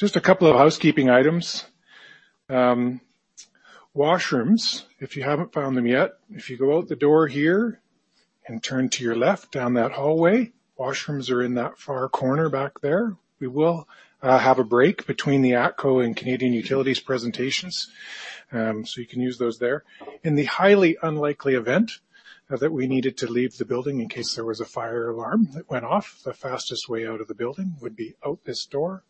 Just a couple of housekeeping items. Washrooms, if you haven't found them yet, if you go out the door here and turn to your left down that hallway, washrooms are in that far corner back there. We will have a break between the ATCO and Canadian Utilities presentations, so you can use those there. In the highly unlikely event that we needed to leave the building in case there was a fire alarm that went off, the fastest way out of the building would be out this door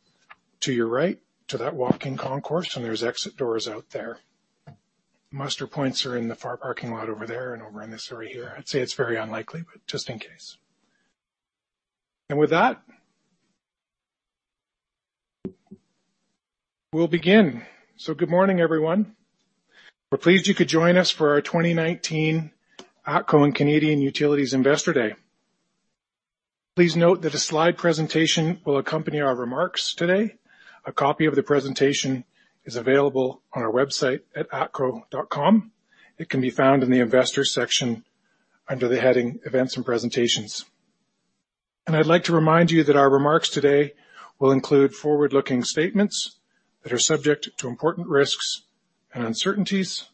to your right to that walking concourse, and there's exit doors out there. Muster points are in the far parking lot over there and over in this area here. I'd say it's very unlikely, but just in case. With that, we'll begin. Good morning, everyone. We're pleased you could join us for our 2019 ATCO and Canadian Utilities Investor Day. Please note that a slide presentation will accompany our remarks today. A copy of the presentation is available on our website at atco.com. It can be found in the Investors section under the heading Events and Presentations. I'd like to remind you that our remarks today will include forward-looking statements that are subject to important risks and uncertainties.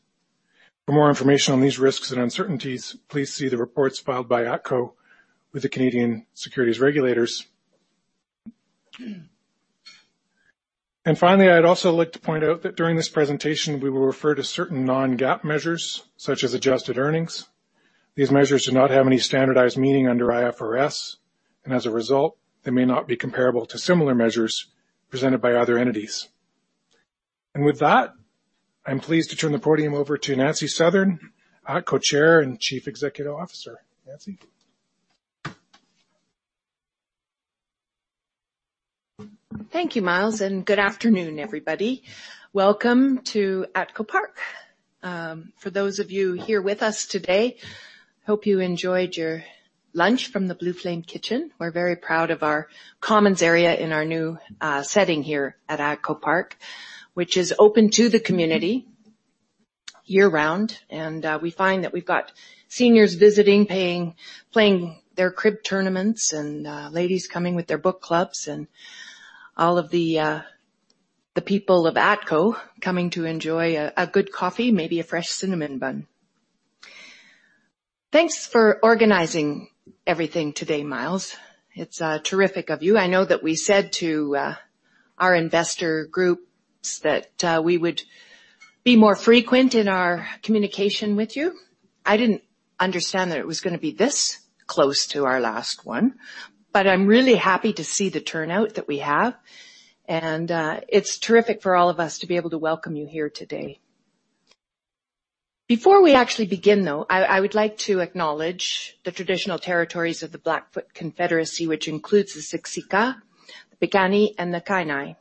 For more information on these risks and uncertainties, please see the reports filed by ATCO with the Canadian securities regulators. Finally, I'd also like to point out that during this presentation, we will refer to certain non-GAAP measures, such as adjusted earnings. These measures do not have any standardized meaning under IFRS, and as a result, they may not be comparable to similar measures presented by other entities. With that, I'm pleased to turn the podium over to Nancy Southern, ATCO Chair and Chief Executive Officer. Nancy. Thank you, Myles. Good afternoon, everybody. Welcome to ATCO Park. For those of you here with us today, hope you enjoyed your lunch from the Blue Flame Kitchen. We're very proud of our commons area in our new setting here at ATCO Park, which is open to the community year-round. We find that we've got seniors visiting, playing their crib tournaments, and ladies coming with their book clubs, and all of the people of ATCO coming to enjoy a good coffee, maybe a fresh cinnamon bun. Thanks for organizing everything today, Myles. It's terrific of you. I know that we said to our investor groups that we would be more frequent in our communication with you. I didn't understand that it was going to be this close to our last one. I'm really happy to see the turnout that we have. It's terrific for all of us to be able to welcome you here today. Before we actually begin, though, I would like to acknowledge the traditional territories of the Blackfoot Confederacy, which includes the Siksika, the Piikani, and the Kainai,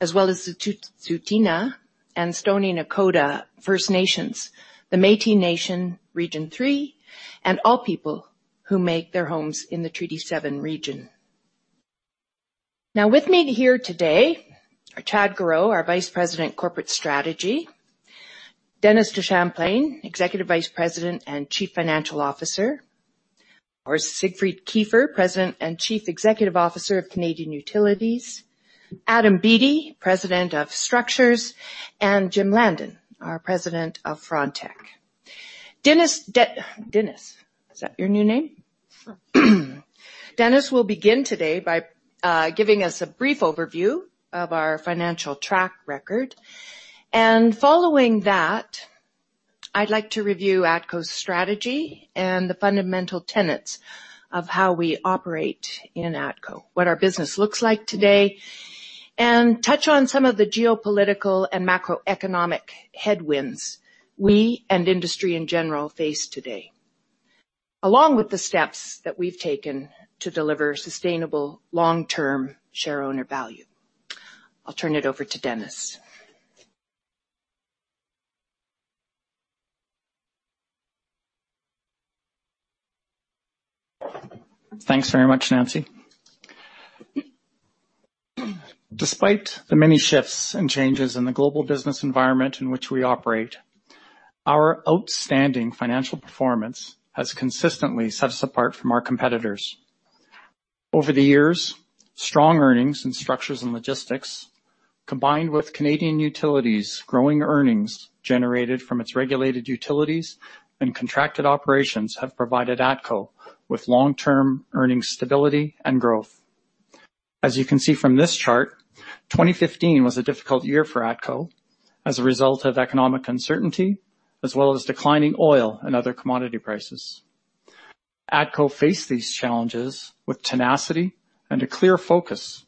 as well as the Tsuut'ina and Stoney Nakoda First Nations, the Métis Nation, Region III, and all people who make their homes in the Treaty 7 region. With me here today are Chad Gareau, our Vice President, Corporate Strategy. Dennis DeChamplain, Executive Vice President and Chief Financial Officer. Siegfried Kiefer, President and Chief Executive Officer of Canadian Utilities. Adam Beattie, President of Structures, and Jim Landon, our President of Frontec. Dennis, is that your new name? Dennis will begin today by giving us a brief overview of our financial track record. Following that, I'd like to review ATCO's strategy and the fundamental tenets of how we operate in ATCO, what our business looks like today, and touch on some of the geopolitical and macroeconomic headwinds we and industry in general face today, along with the steps that we've taken to deliver sustainable long-term shareowner value. I'll turn it over to Dennis. Thanks very much, Nancy. Despite the many shifts and changes in the global business environment in which we operate, our outstanding financial performance has consistently set us apart from our competitors. Over the years, strong earnings in Structures and Logistics, combined with Canadian Utilities' growing earnings generated from its regulated utilities and contracted operations have provided ATCO with long-term earning stability and growth. As you can see from this chart, 2015 was a difficult year for ATCO as a result of economic uncertainty, as well as declining oil and other commodity prices. ATCO faced these challenges with tenacity and a clear focus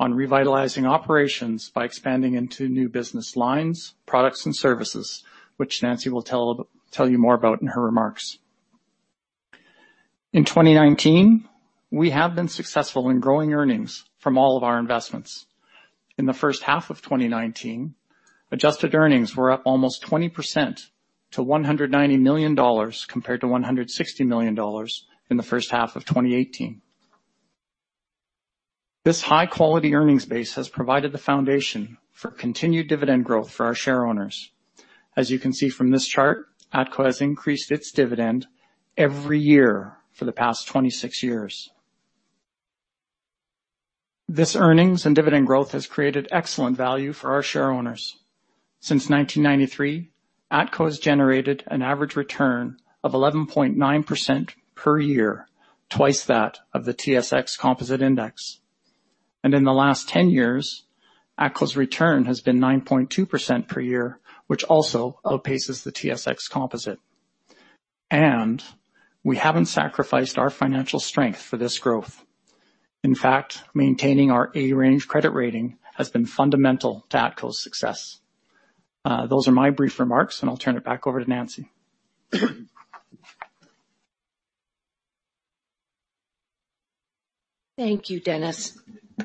on revitalizing operations by expanding into new business lines, products, and services, which Nancy will tell you more about in her remarks. In 2019, we have been successful in growing earnings from all of our investments. In the first half of 2019, adjusted earnings were up almost 20% to 190 million dollars compared to 160 million dollars in the first half of 2018. This high-quality earnings base has provided the foundation for continued dividend growth for our shareowners. As you can see from this chart, ATCO has increased its dividend every year for the past 26 years. This earnings and dividend growth has created excellent value for our share owners. Since 1993, ATCO has generated an average return of 11.9% per year, twice that of the TSX Composite Index. In the last 10 years, ATCO's return has been 9.2% per year, which also outpaces the TSX Composite. We haven't sacrificed our financial strength for this growth. In fact, maintaining our A-range credit rating has been fundamental to ATCO's success. Those are my brief remarks, and I'll turn it back over to Nancy. Thank you, Dennis.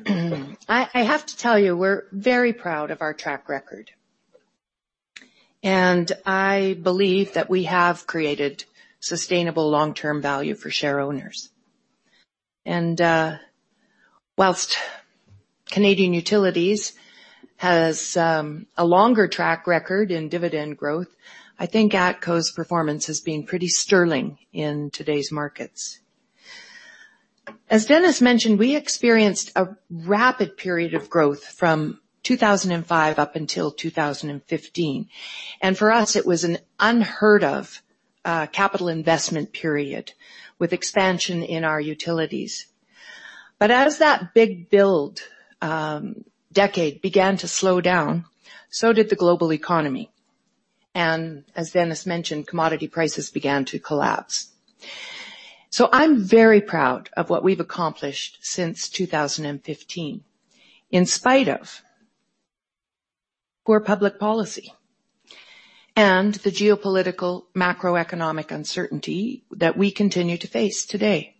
I have to tell you, we're very proud of our track record. I believe that we have created sustainable long-term value for share owners. Whilst Canadian Utilities has a longer track record in dividend growth, I think ATCO's performance has been pretty sterling in today's markets. As Dennis mentioned, we experienced a rapid period of growth from 2005 up until 2015. For us, it was an unheard of capital investment period with expansion in our utilities. As that big build decade began to slow down, so did the global economy. As Dennis mentioned, commodity prices began to collapse. I'm very proud of what we've accomplished since 2015 in spite of poor public policy and the geopolitical macroeconomic uncertainty that we continue to face today.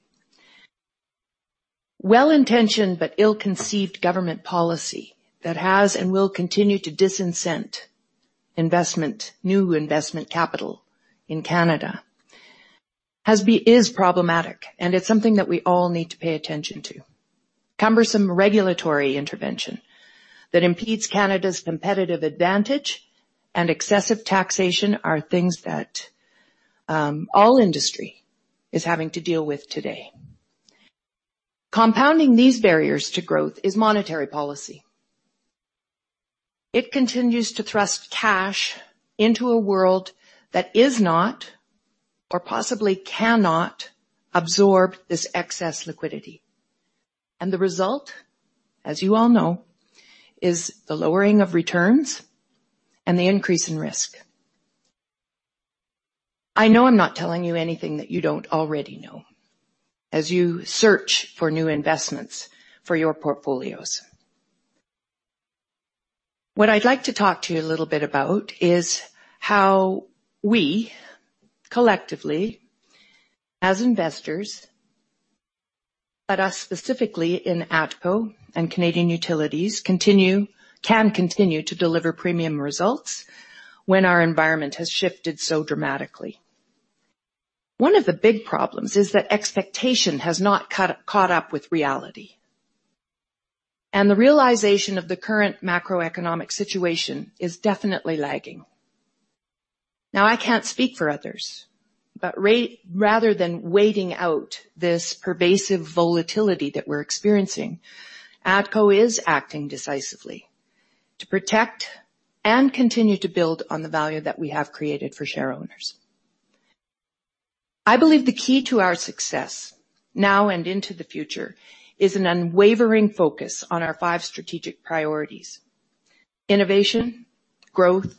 Well-intentioned but ill-conceived government policy that has and will continue to disincent investment, new investment capital in Canada is problematic, and it's something that we all need to pay attention to. Cumbersome regulatory intervention that impedes Canada's competitive advantage and excessive taxation are things that all industry is having to deal with today. Compounding these barriers to growth is monetary policy. It continues to thrust cash into a world that is not or possibly cannot absorb this excess liquidity. The result, as you all know, is the lowering of returns and the increase in risk. I know I'm not telling you anything that you don't already know as you search for new investments for your portfolios. What I'd like to talk to you a little bit about is how we collectively as investors, but us specifically in ATCO and Canadian Utilities, can continue to deliver premium results when our environment has shifted so dramatically. One of the big problems is that expectation has not caught up with reality, and the realization of the current macroeconomic situation is definitely lagging. I can't speak for others, but rather than waiting out this pervasive volatility that we're experiencing, ATCO is acting decisively to protect and continue to build on the value that we have created for share owners. I believe the key to our success now and into the future is an unwavering focus on our five strategic priorities, innovation, growth,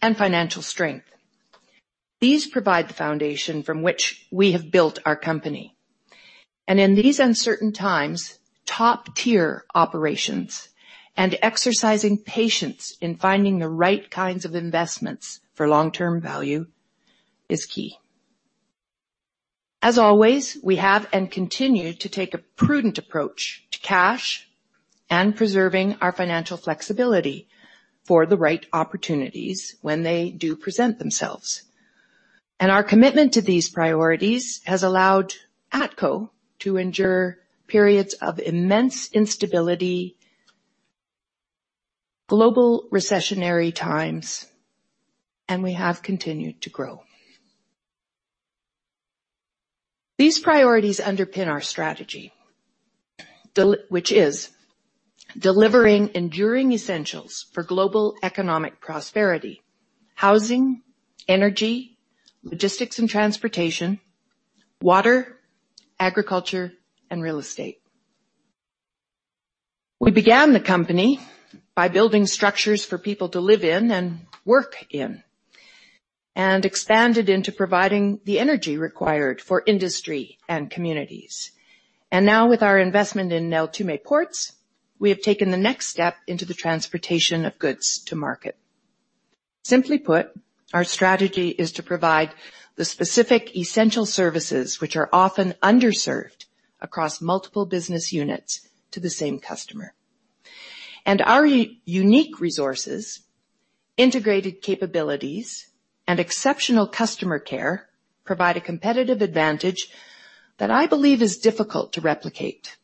and financial strength. These provide the foundation from which we have built our company. In these uncertain times, top-tier operations and exercising patience in finding the right kinds of investments for long-term value is key. As always, we have and continue to take a prudent approach to cash and preserving our financial flexibility for the right opportunities when they do present themselves. Our commitment to these priorities has allowed ATCO to endure periods of immense instability, global recessionary times, and we have continued to grow. These priorities underpin our strategy, which is delivering enduring essentials for global economic prosperity, housing, energy, logistics and transportation, water, agriculture, and real estate. We began the company by building structures for people to live in and work in, and expanded into providing the energy required for industry and communities. Now with our investment in Neltume Ports, we have taken the next step into the transportation of goods to market. Simply put, our strategy is to provide the specific essential services which are often underserved across multiple business units to the same customer. Our unique resources, integrated capabilities, and exceptional customer care provide a competitive advantage that I believe is difficult to replicate.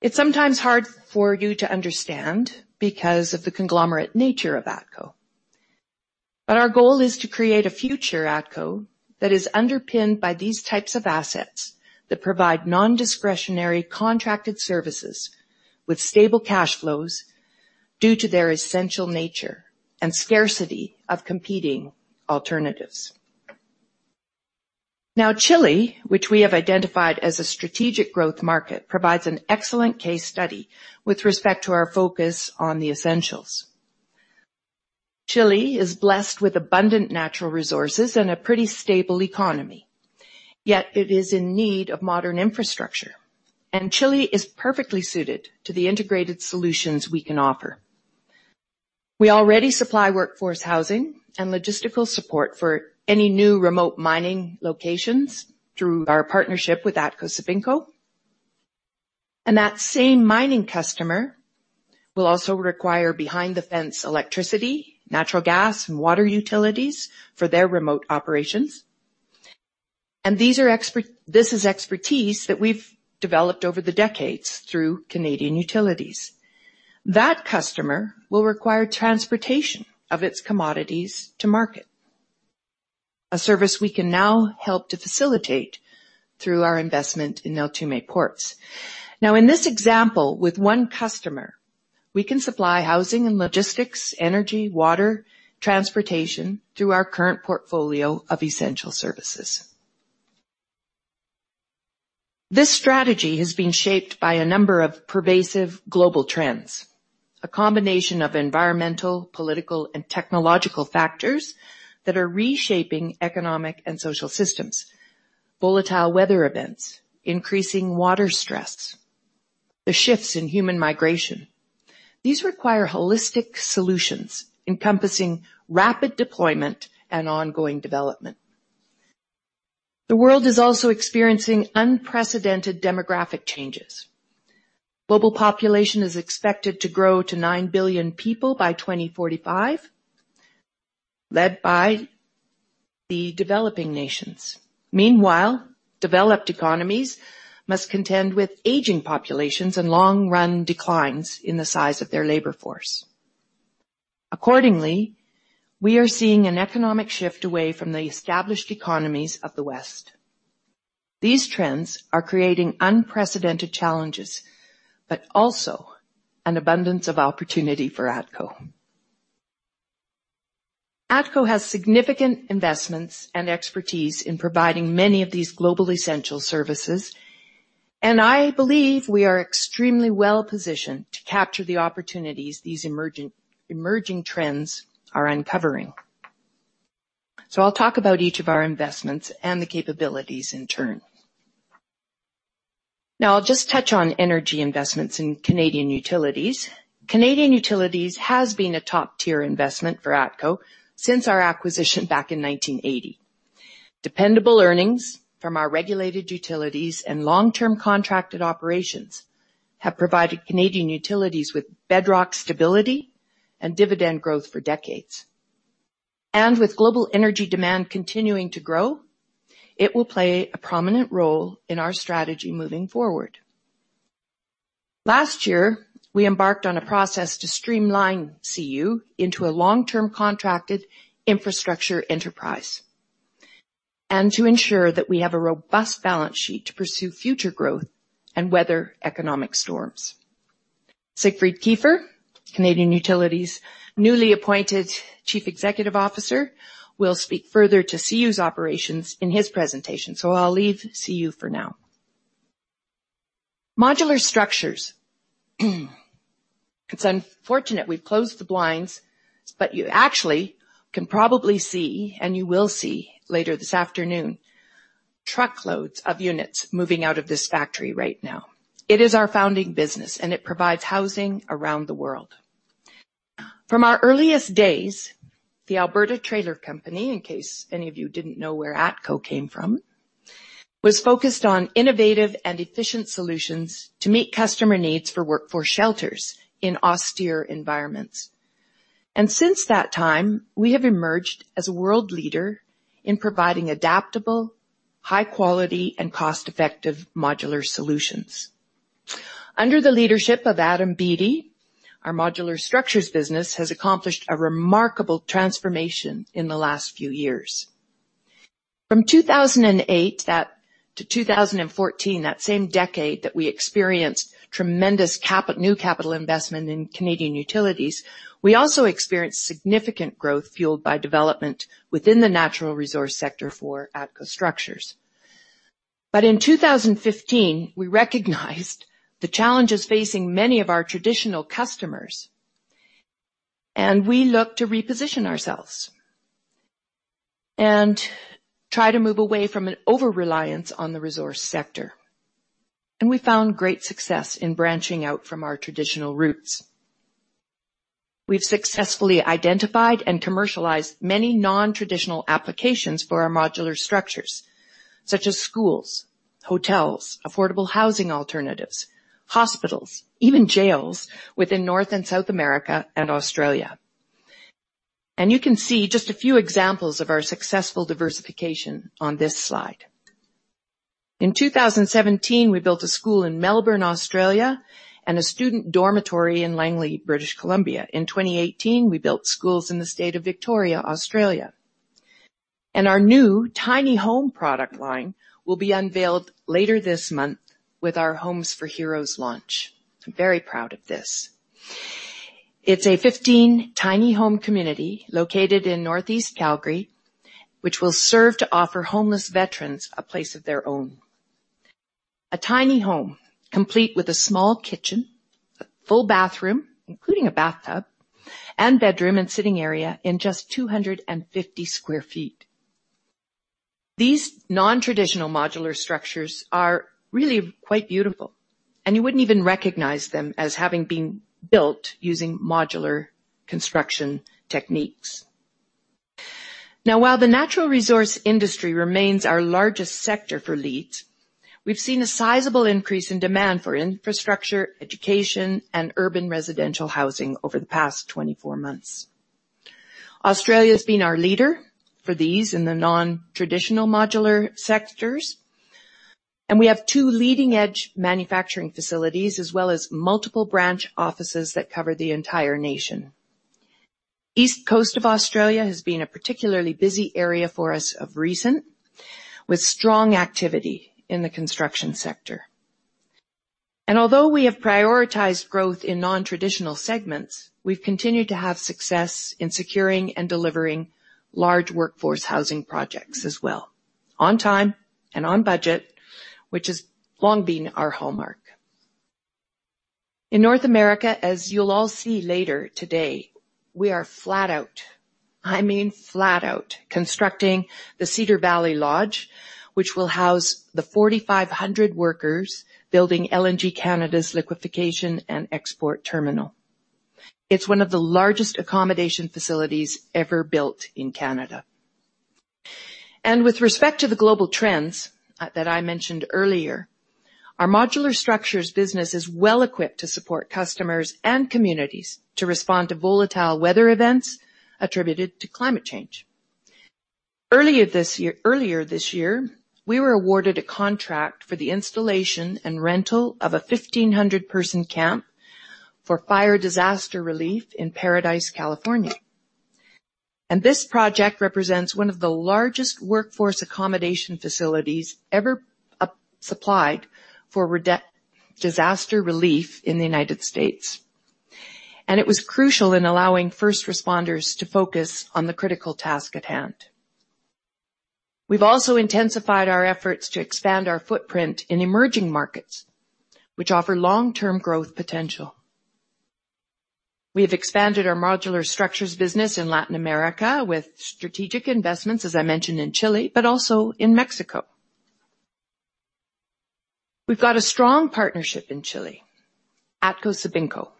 It's sometimes hard for you to understand because of the conglomerate nature of ATCO, but our goal is to create a future ATCO that is underpinned by these types of assets that provide non-discretionary contracted services with stable cash flows due to their essential nature and scarcity of competing alternatives. Chile, which we have identified as a strategic growth market, provides an excellent case study with respect to our focus on the essentials. Chile is blessed with abundant natural resources and a pretty stable economy, yet it is in need of modern infrastructure. Chile is perfectly suited to the integrated solutions we can offer. We already supply workforce housing and logistical support for any new remote mining locations through our partnership with ATCO-Sabinco. That same mining customer will also require behind-the-fence electricity, natural gas, and water utilities for their remote operations. This is expertise that we've developed over the decades through Canadian Utilities. That customer will require transportation of its commodities to market. A service we can now help to facilitate through our investment in Neltume Ports. In this example, with one customer, we can supply housing and logistics, energy, water, transportation through our current portfolio of essential services. This strategy has been shaped by a number of pervasive global trends. A combination of environmental, political, and technological factors that are reshaping economic and social systems. Volatile weather events, increasing water stress, the shifts in human migration require holistic solutions encompassing rapid deployment and ongoing development. The world is also experiencing unprecedented demographic changes. Global population is expected to grow to 9 billion people by 2045, led by the developing nations. Meanwhile, developed economies must contend with aging populations and long-run declines in the size of their labor force. Accordingly, we are seeing an economic shift away from the established economies of the West. These trends are creating unprecedented challenges, but also an abundance of opportunity for ATCO. ATCO has significant investments and expertise in providing many of these global essential services, and I believe we are extremely well-positioned to capture the opportunities these emerging trends are uncovering. I'll talk about each of our investments and the capabilities in turn. Now, I'll just touch on energy investments in Canadian Utilities. Canadian Utilities has been a top-tier investment for ATCO since our acquisition back in 1980. Dependable earnings from our regulated utilities and long-term contracted operations have provided Canadian Utilities with bedrock stability and dividend growth for decades. With global energy demand continuing to grow, it will play a prominent role in our strategy moving forward. Last year, we embarked on a process to streamline CU into a long-term contracted infrastructure enterprise, and to ensure that we have a robust balance sheet to pursue future growth and weather economic storms. Siegfried Kiefer, Canadian Utilities' newly appointed Chief Executive Officer, will speak further to CU's operations in his presentation, I'll leave CU for now. Modular structures. You actually can probably see, and you will see later this afternoon, truckloads of units moving out of this factory right now. It is our founding business, it provides housing around the world. From our earliest days, the Alberta Trailer Company, in case any of you didn't know where ATCO came from, was focused on innovative and efficient solutions to meet customer needs for workforce shelters in austere environments. Since that time, we have emerged as a world leader in providing adaptable, high-quality, and cost-effective modular solutions. Under the leadership of Adam Beattie, our modular structures business has accomplished a remarkable transformation in the last few years. From 2008 to 2014, that same decade that we experienced tremendous new capital investment in Canadian Utilities, we also experienced significant growth fueled by development within the natural resource sector for ATCO structures. In 2015, we recognized the challenges facing many of our traditional customers, and we looked to reposition ourselves and try to move away from an over-reliance on the resource sector. We found great success in branching out from our traditional roots. We've successfully identified and commercialized many non-traditional applications for our modular structures, such as schools, hotels, affordable housing alternatives, hospitals, even jails within North and South America and Australia. You can see just a few examples of our successful diversification on this slide. In 2017, we built a school in Melbourne, Australia and a student dormitory in Langley, British Columbia. In 2018, we built schools in the state of Victoria, Australia. Our new tiny home product line will be unveiled later this month with our Homes for Heroes launch. I'm very proud of this. It's a 15-tiny home community located in Northeast Calgary, which will serve to offer homeless veterans a place of their own. A tiny home, complete with a small kitchen, a full bathroom, including a bathtub, and bedroom and sitting area in just 250 sq ft. These non-traditional modular structures are really quite beautiful, you wouldn't even recognize them as having been built using modular construction techniques. Now, while the natural resource industry remains our largest sector for [LEAT], we've seen a sizable increase in demand for infrastructure, education, and urban residential housing over the past 24 months. Australia has been our leader for these in the non-traditional modular sectors, and we have two leading-edge manufacturing facilities, as well as multiple branch offices that cover the entire nation. East Coast of Australia has been a particularly busy area for us of recent, with strong activity in the construction sector. Although we have prioritized growth in non-traditional segments, we've continued to have success in securing and delivering large workforce housing projects as well, on time and on budget, which has long been our hallmark. In North America, as you'll all see later today, we are flat out, I mean, flat out constructing the Cedar Valley Lodge, which will house the 4,500 workers building LNG Canada's liquification and export terminal. It's one of the largest accommodation facilities ever built in Canada. With respect to the global trends that I mentioned earlier, our modular structures business is well equipped to support customers and communities to respond to volatile weather events attributed to climate change. Earlier this year, we were awarded a contract for the installation and rental of a 1,500-person camp for fire disaster relief in Paradise, California. This project represents one of the largest workforce accommodation facilities ever supplied for disaster relief in the U.S. It was crucial in allowing first responders to focus on the critical task at hand. We've also intensified our efforts to expand our footprint in emerging markets, which offer long-term growth potential. We have expanded our modular structures business in Latin America with strategic investments, as I mentioned in Chile, but also in Mexico. We've got a strong partnership in Chile, ATCO-Sabinco.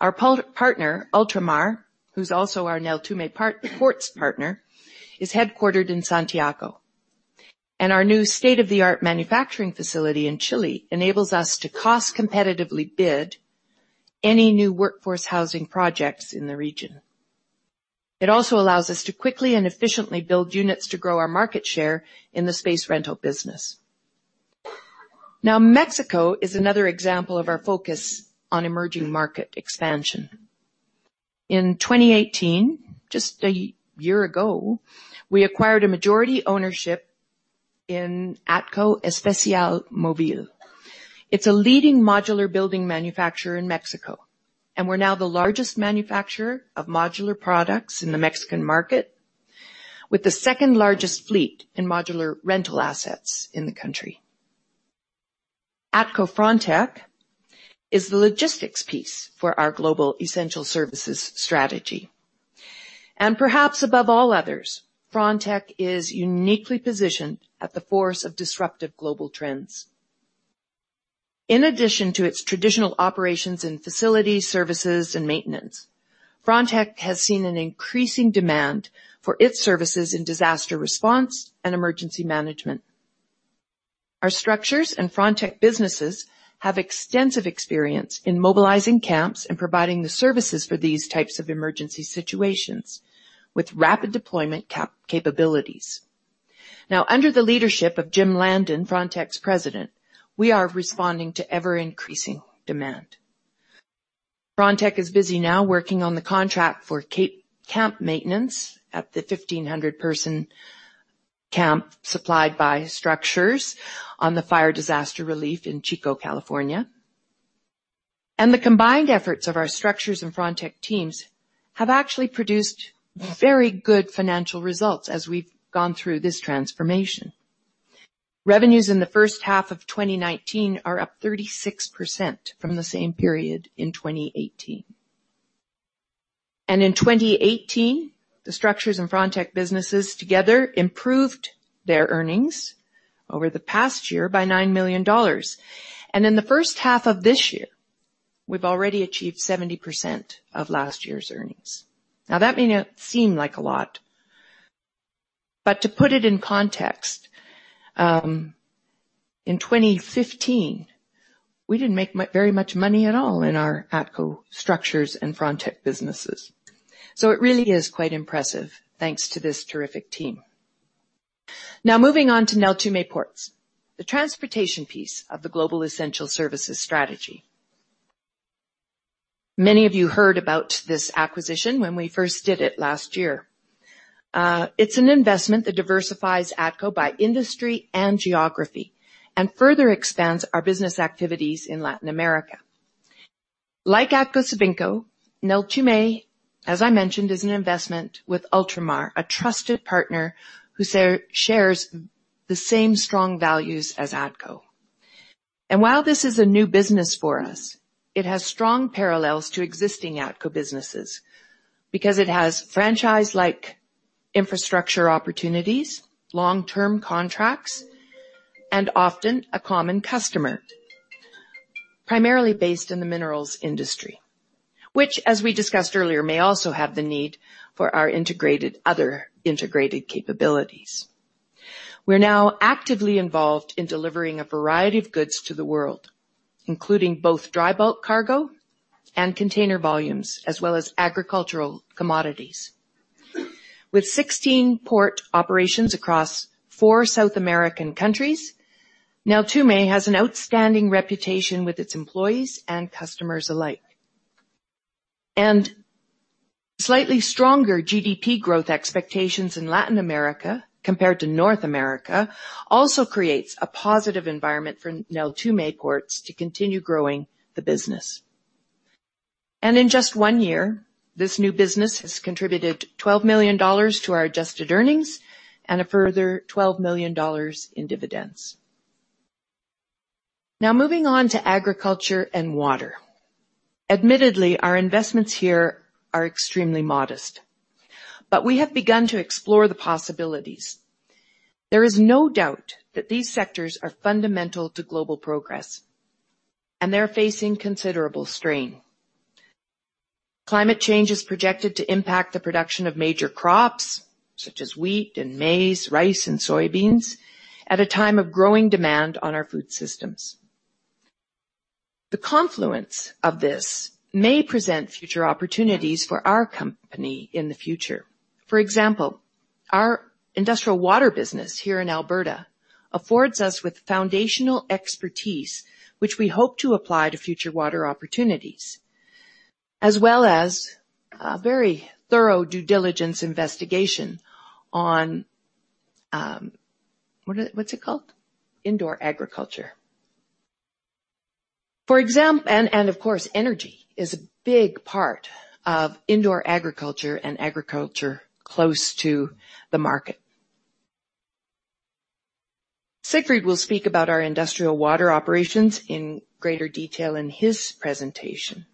Our partner, Ultramar, who's also our Neltume Ports partner, is headquartered in Santiago. Our new state-of-the-art manufacturing facility in Chile enables us to cost competitively bid any new workforce housing projects in the region. It also allows us to quickly and efficiently build units to grow our market share in the space rental business. Mexico is another example of our focus on emerging market expansion. In 2018, just a year ago, we acquired a majority ownership in ATCO-Espaciomovil. It's a leading modular building manufacturer in Mexico, and we're now the largest manufacturer of modular products in the Mexican market, with the second-largest fleet in modular rental assets in the country. ATCO Frontec is the logistics piece for our global essential services strategy. Perhaps above all others, Frontec is uniquely positioned at the force of disruptive global trends. In addition to its traditional operations in facility services and maintenance, Frontec has seen an increasing demand for its services in disaster response and emergency management. Our structures and Frontec businesses have extensive experience in mobilizing camps and providing the services for these types of emergency situations with rapid deployment capabilities. Now, under the leadership of Jim Landon, Frontec's President, we are responding to ever-increasing demand. Frontec is busy now working on the contract for camp maintenance at the 1,500-person camp supplied by Structures on the fire disaster relief in Chico, California. The combined efforts of our Structures and Frontec teams have actually produced very good financial results as we've gone through this transformation. Revenues in the first half of 2019 are up 36% from the same period in 2018. In 2018, the Structures and Frontec businesses together improved their earnings over the past year by 9 million dollars. In the first half of this year, we've already achieved 70% of last year's earnings. Now, that may not seem like a lot. But to put it in context, in 2015, we didn't make very much money at all in our ATCO Structures and Frontec businesses. It really is quite impressive, thanks to this terrific team. Now moving on to Neltume Ports, the transportation piece of the global essential services strategy. Many of you heard about this acquisition when we first did it last year. It's an investment that diversifies ATCO by industry and geography, and further expands our business activities in Latin America. Like ATCO-Sabinco, Neltume, as I mentioned, is an investment with Ultramar, a trusted partner who shares the same strong values as ATCO. While this is a new business for us, it has strong parallels to existing ATCO businesses because it has franchise-like infrastructure opportunities, long-term contracts, and often a common customer, primarily based in the minerals industry. Which, as we discussed earlier, may also have the need for our other integrated capabilities. We're now actively involved in delivering a variety of goods to the world, including both dry bulk cargo and container volumes, as well as agricultural commodities. With 16 port operations across four South American countries, Neltume has an outstanding reputation with its employees and customers alike. Slightly stronger GDP growth expectations in Latin America compared to North America also creates a positive environment for Neltume Ports to continue growing the business. In just one year, this new business has contributed 12 million dollars to our adjusted earnings and a further 12 million dollars in dividends. Now moving on to agriculture and water. Admittedly, our investments here are extremely modest, but we have begun to explore the possibilities. There is no doubt that these sectors are fundamental to global progress, and they're facing considerable strain. Climate change is projected to impact the production of major crops such as wheat and maize, rice and soybeans, at a time of growing demand on our food systems. The confluence of this may present future opportunities for our company in the future. For example, our industrial water business here in Alberta affords us with foundational expertise, which we hope to apply to future water opportunities, as well as a very thorough due diligence investigation on What's it called? Indoor agriculture. Of course, energy is a big part of indoor agriculture and agriculture close to the market. Siegfried will speak about our industrial water operations in greater detail in his presentation.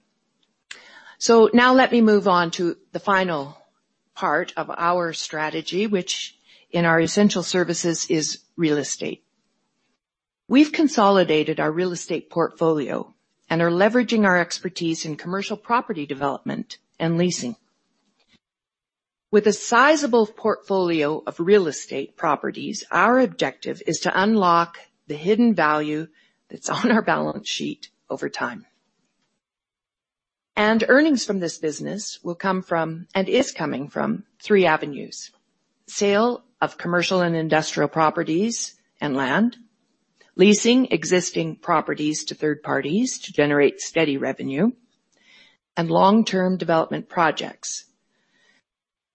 Now let me move on to the final part of our strategy, which in our essential services is real estate. We've consolidated our real estate portfolio and are leveraging our expertise in commercial property development and leasing. With a sizable portfolio of real estate properties, our objective is to unlock the hidden value that's on our balance sheet over time. Earnings from this business will come from, and is coming from, three avenues: sale of commercial and industrial properties and land, leasing existing properties to third parties to generate steady revenue, and long-term development projects.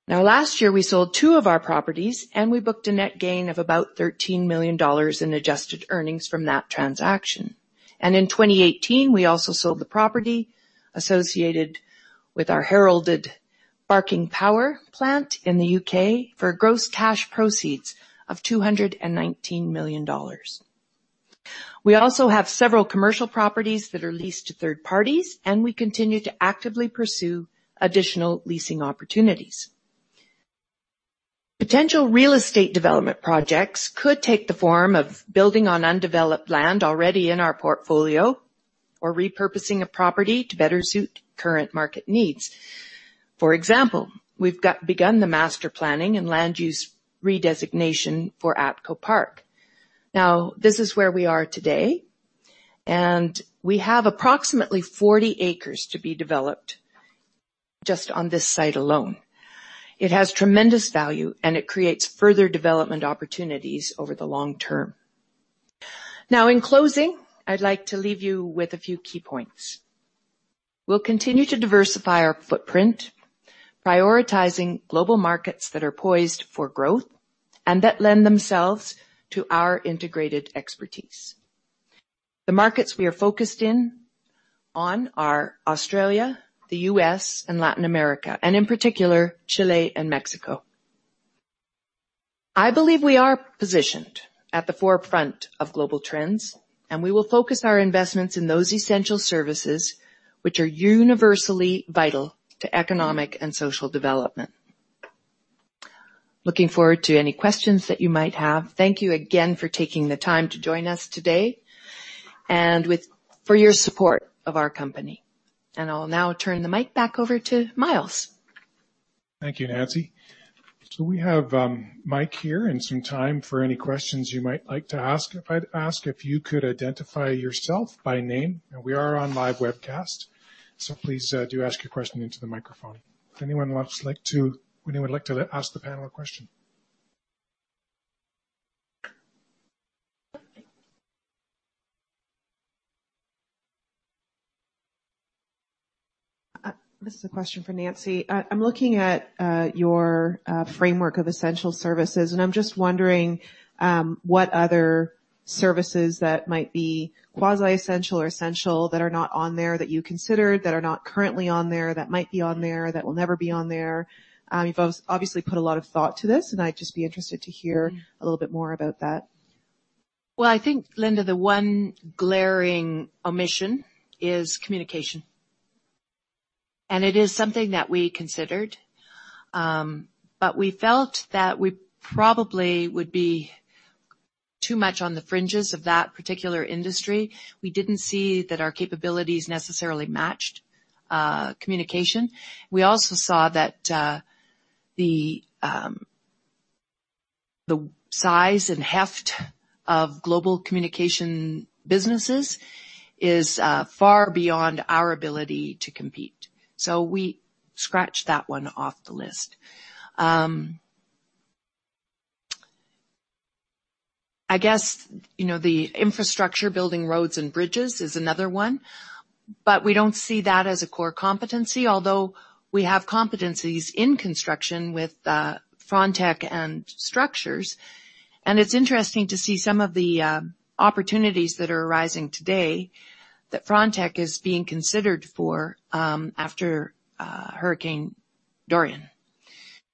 Last year, we sold two of our properties, and we booked a net gain of about 13 million dollars in adjusted earnings from that transaction. In 2018, we also sold the property associated with our heralded Barking Power Station in the U.K. for gross cash proceeds of 219 million dollars. We also have several commercial properties that are leased to third parties, and we continue to actively pursue additional leasing opportunities. Potential real estate development projects could take the form of building on undeveloped land already in our portfolio or repurposing a property to better suit current market needs. For example, we've begun the master planning and land use redesignation for ATCO Park. This is where we are today, and we have approximately 40 acres to be developed just on this site alone. It has tremendous value, and it creates further development opportunities over the long term. In closing, I'd like to leave you with a few key points. We'll continue to diversify our footprint, prioritizing global markets that are poised for growth and that lend themselves to our integrated expertise. The markets we are focused in on are Australia, the U.S., and Latin America, and in particular, Chile and Mexico. I believe we are positioned at the forefront of global trends, and we will focus our investments in those essential services which are universally vital to economic and social development. Looking forward to any questions that you might have. Thank you again for taking the time to join us today and for your support of our company. I'll now turn the mic back over to Myles. Thank you, Nancy. We have Myles here and some time for any questions you might like to ask. I'd ask if you could identify yourself by name. We are on live webcast, please do ask your question into the microphone if anyone would like to ask the panel a question. This is a question for Nancy. I'm looking at your framework of essential services, and I'm just wondering what other services that might be quasi-essential or essential that are not on there that you considered, that are not currently on there, that might be on there, that will never be on there. You've obviously put a lot of thought to this, and I'd just be interested to hear a little bit more about that. Well, I think, Linda, the one glaring omission is communication. It is something that we considered, but we felt that we probably would be too much on the fringes of that particular industry. We didn't see that our capabilities necessarily matched communication. We also saw that the size and heft of global communication businesses is far beyond our ability to compete. We scratched that one off the list. I guess the infrastructure, building roads and bridges is another one. We don't see that as a core competency, although we have competencies in construction with Frontec and structures. It's interesting to see some of the opportunities that are arising today that Frontec is being considered for after Hurricane Dorian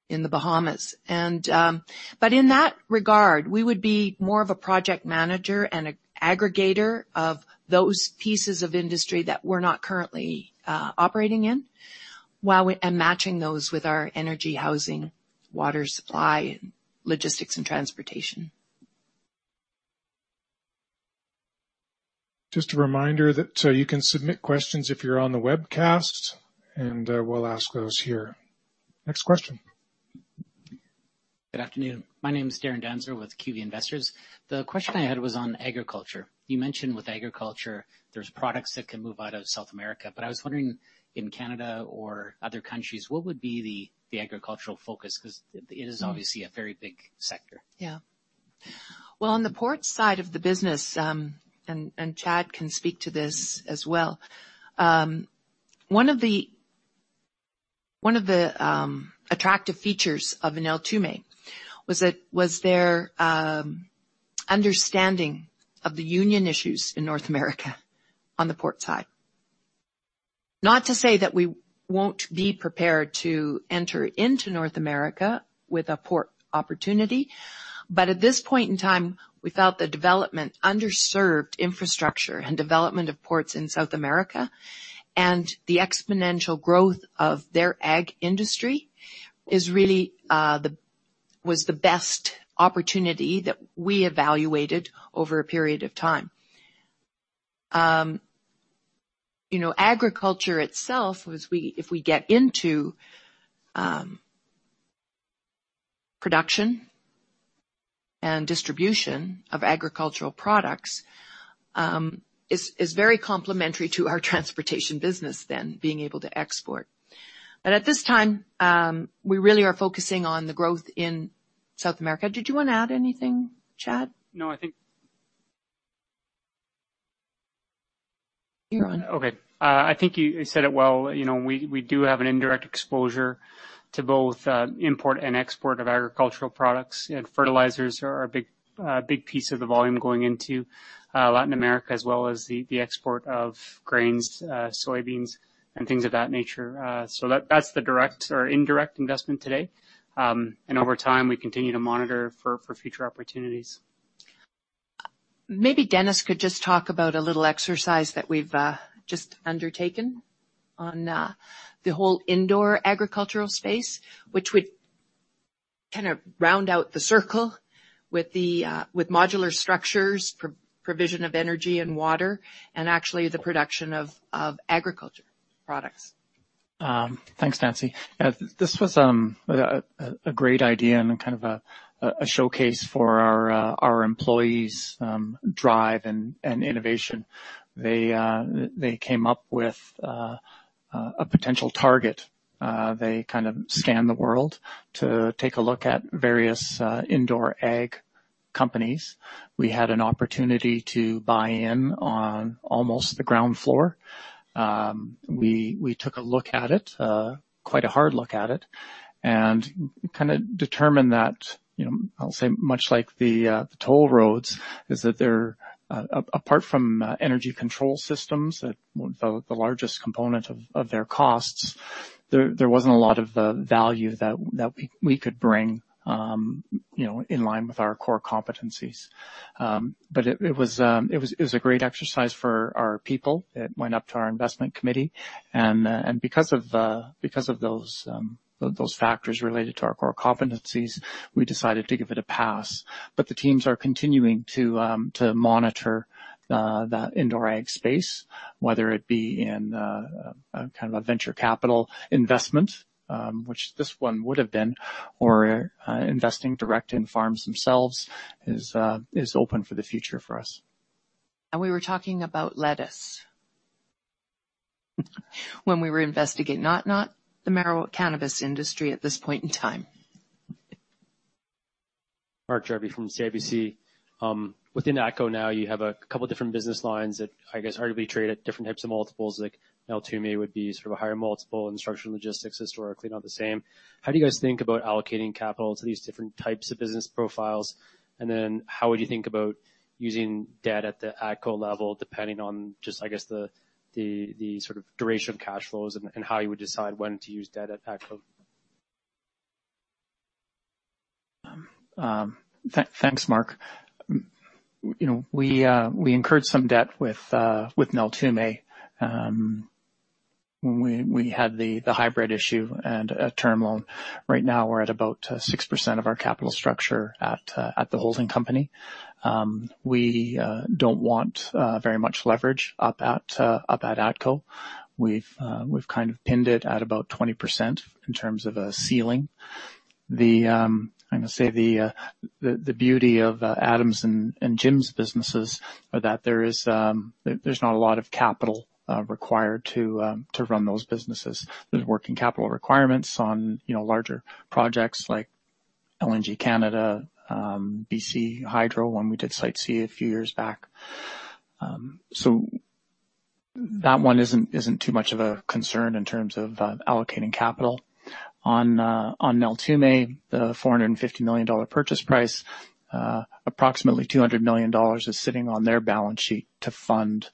in the Bahamas. In that regard, we would be more of a project manager and an aggregator of those pieces of industry that we're not currently operating in, and matching those with our energy, housing, water supply, logistics, and transportation. Just a reminder that you can submit questions if you're on the webcast. We'll ask those here. Next question. Good afternoon. My name is Darren Dansereau with QV Investors. The question I had was on agriculture. You mentioned with agriculture, there's products that can move out of South America, I was wondering in Canada or other countries, what would be the agricultural focus? It is obviously a very big sector. Yeah. Well, on the port side of the business, Chad can speak to this as well. One of the attractive features of Neltume was their understanding of the union issues in North America on the port side. Not to say that we won't be prepared to enter into North America with a port opportunity, at this point in time, we felt the development, underserved infrastructure, and development of ports in South America and the exponential growth of their ag industry was the best opportunity that we evaluated over a period of time. Agriculture itself, if we get into production and distribution of agricultural products, is very complementary to our transportation business than being able to export. At this time, we really are focusing on the growth in South America. Did you want to add anything, Chad? No. You're on. Okay. I think you said it well. We do have an indirect exposure to both import and export of agricultural products. Fertilizers are a big piece of the volume going into Latin America as well as the export of grains, soybeans, and things of that nature. That's the direct or indirect investment today. Over time, we continue to monitor for future opportunities. Maybe Dennis could just talk about a little exercise that we've just undertaken on the whole indoor agricultural space, which would kind of round out the circle with modular structures, provision of energy and water, and actually the production of agriculture products. Thanks, Nancy. This was a great idea and kind of a showcase for our employees' drive and innovation. They came up with a potential target. They kind of scanned the world to take a look at various indoor ag companies. We had an opportunity to buy in on almost the ground floor. We took a look at it, quite a hard look at it, and kind of determined that, I'll say much like the toll roads, is that they're apart from energy control systems, the largest component of their costs. There wasn't a lot of the value that we could bring in line with our core competencies. It was a great exercise for our people. It went up to our investment committee, and because of those factors related to our core competencies, we decided to give it a pass. The teams are continuing to monitor that indoor ag space, whether it be in kind of a venture capital investment, which this one would have been, or investing direct in farms themselves is open for the future for us. We were talking about lettuce when we were investigating, not the marijuana cannabis industry at this point in time. Mark Jarvi from CIBC. Within ATCO now, you have a couple different business lines that arguably trade at different types of multiples, like Neltume would be sort of a higher multiple, and structural and logistics historically not the same. How do you guys think about allocating capital to these different types of business profiles? How would you think about using debt at the ATCO level depending on just the sort of duration of cash flows and how you would decide when to use debt at ATCO? Thanks, Mark. We incurred some debt with Neltume, when we had the hybrid issue and a term loan. Right now, we're at about 6% of our capital structure at the holding company. We don't want very much leverage up at ATCO. We've kind of pinned it at about 20% in terms of a ceiling. I'm going to say the beauty of Adam's and Jim's businesses are that there's not a lot of capital required to run those businesses. There's working capital requirements on larger projects like LNG Canada, BC Hydro, one we did Site C a few years back. That one isn't too much of a concern in terms of allocating capital. On Neltume, the 450 million dollar purchase price, approximately 200 million dollars is sitting on their balance sheet to fund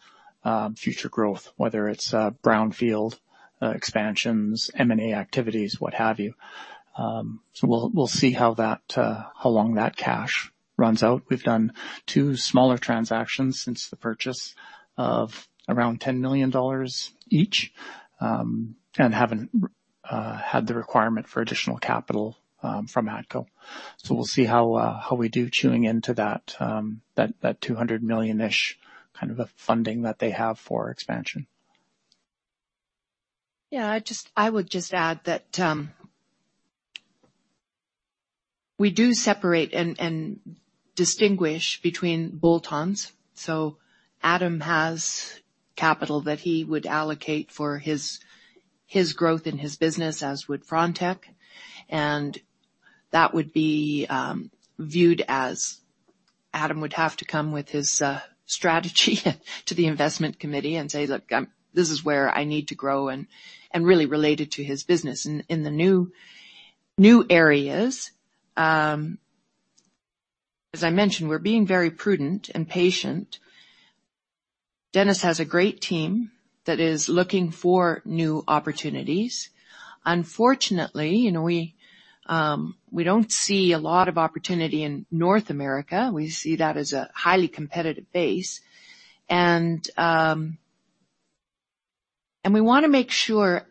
future growth, whether it's brownfield expansions, M&A activities, what have you. We'll see how long that cash runs out. We've done two smaller transactions since the purchase of around 10 million dollars each, and haven't had the requirement for additional capital from ATCO. We'll see how we do chewing into that 200 million-ish kind of a funding that they have for expansion. I would just add that we do separate and distinguish between bolt-ons. Adam has capital that he would allocate for his growth in his business as would Frontec, and that would be viewed as Adam would have to come with his strategy to the investment committee and say, "Look, this is where I need to grow," and really relate it to his business. In the new areas, as I mentioned, we're being very prudent and patient. Dennis has a great team that is looking for new opportunities. Unfortunately, we don't see a lot of opportunity in North America. We see that as a highly competitive base. We want to make sure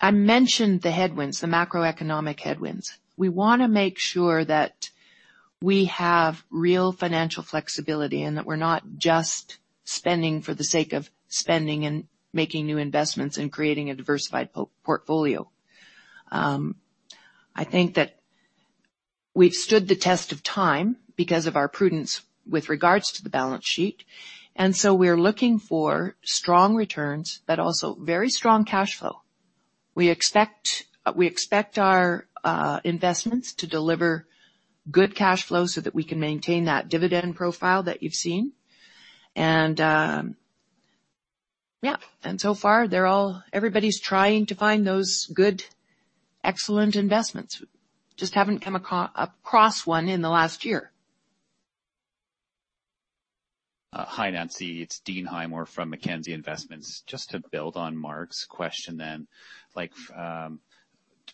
I mentioned the headwinds, the macroeconomic headwinds. We want to make sure that we have real financial flexibility and that we're not just spending for the sake of spending and making new investments and creating a diversified portfolio. I think that we've stood the test of time because of our prudence with regards to the balance sheet, we're looking for strong returns, but also very strong cash flow. We expect our investments to deliver good cash flow so that we can maintain that dividend profile that you've seen. So far, everybody's trying to find those good, excellent investments. Just haven't come across one in the last year. Hi, Nancy. It's Dean Highmoor from Mackenzie Investments. Just to build on Mark's question then, to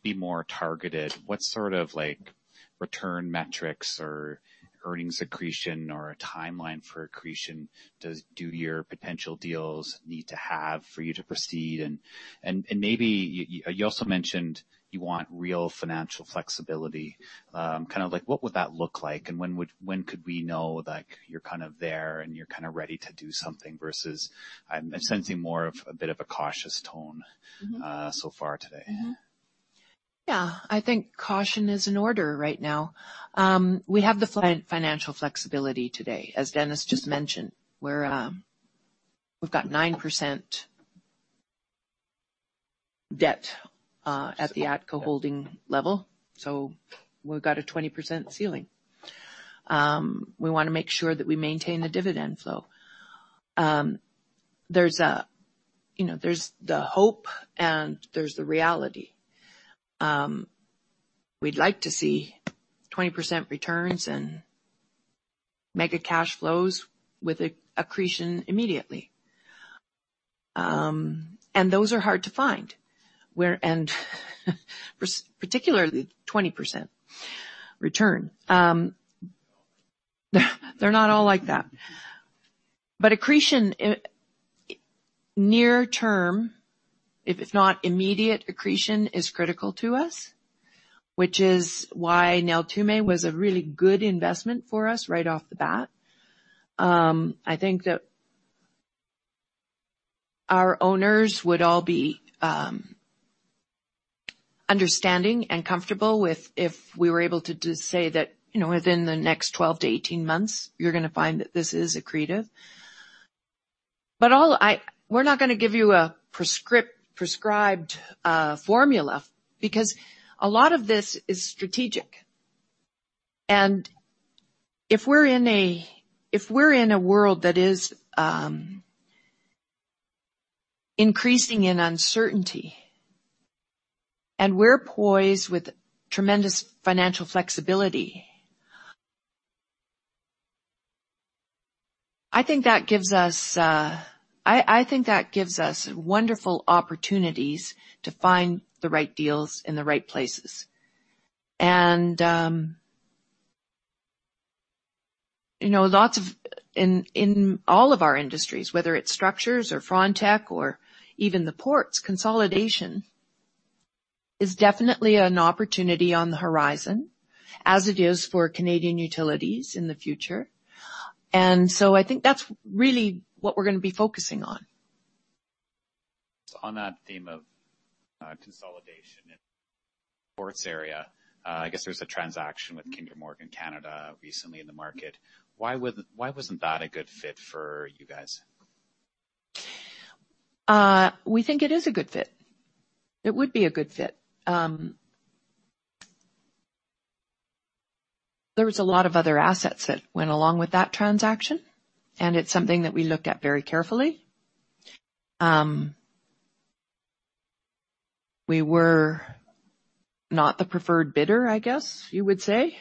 be more targeted, what sort of return metrics or earnings accretion or a timeline for accretion do your potential deals need to have for you to proceed? Maybe, you also mentioned you want real financial flexibility, kind of like what would that look like and when could we know you're kind of there and you're kind of ready to do something versus I'm sensing more of a bit of a cautious tone so far today. Yeah. I think caution is in order right now. We have the financial flexibility today, as Dennis just mentioned. We've got 9% debt at the ATCO holding level, so we've got a 20% ceiling. We want to make sure that we maintain the dividend flow. There's the hope and there's the reality. We'd like to see 20% returns and mega cash flows with accretion immediately. Those are hard to find. Particularly 20% return. They're not all like that. Accretion near term, if it's not immediate accretion, is critical to us, which is why Neltume was a really good investment for us right off the bat. I think that our owners would all be understanding and comfortable with if we were able to say that within the next 12 to 18 months, you're going to find that this is accretive. We're not going to give you a prescribed formula because a lot of this is strategic. If we're in a world that is increasing in uncertainty, and we're poised with tremendous financial flexibility, I think that gives us wonderful opportunities to find the right deals in the right places. Lots of, in all of our industries, whether it's structures or Frontec or even the ports, consolidation is definitely an opportunity on the horizon as it is for Canadian Utilities in the future. I think that's really what we're going to be focusing on. On that theme of consolidation in the ports area, I guess there is a transaction with Kinder Morgan Canada recently in the market. Why wasn't that a good fit for you guys? We think it is a good fit. It would be a good fit. There was a lot of other assets that went along with that transaction, and it is something that we looked at very carefully. We were not the preferred bidder, I guess you would say,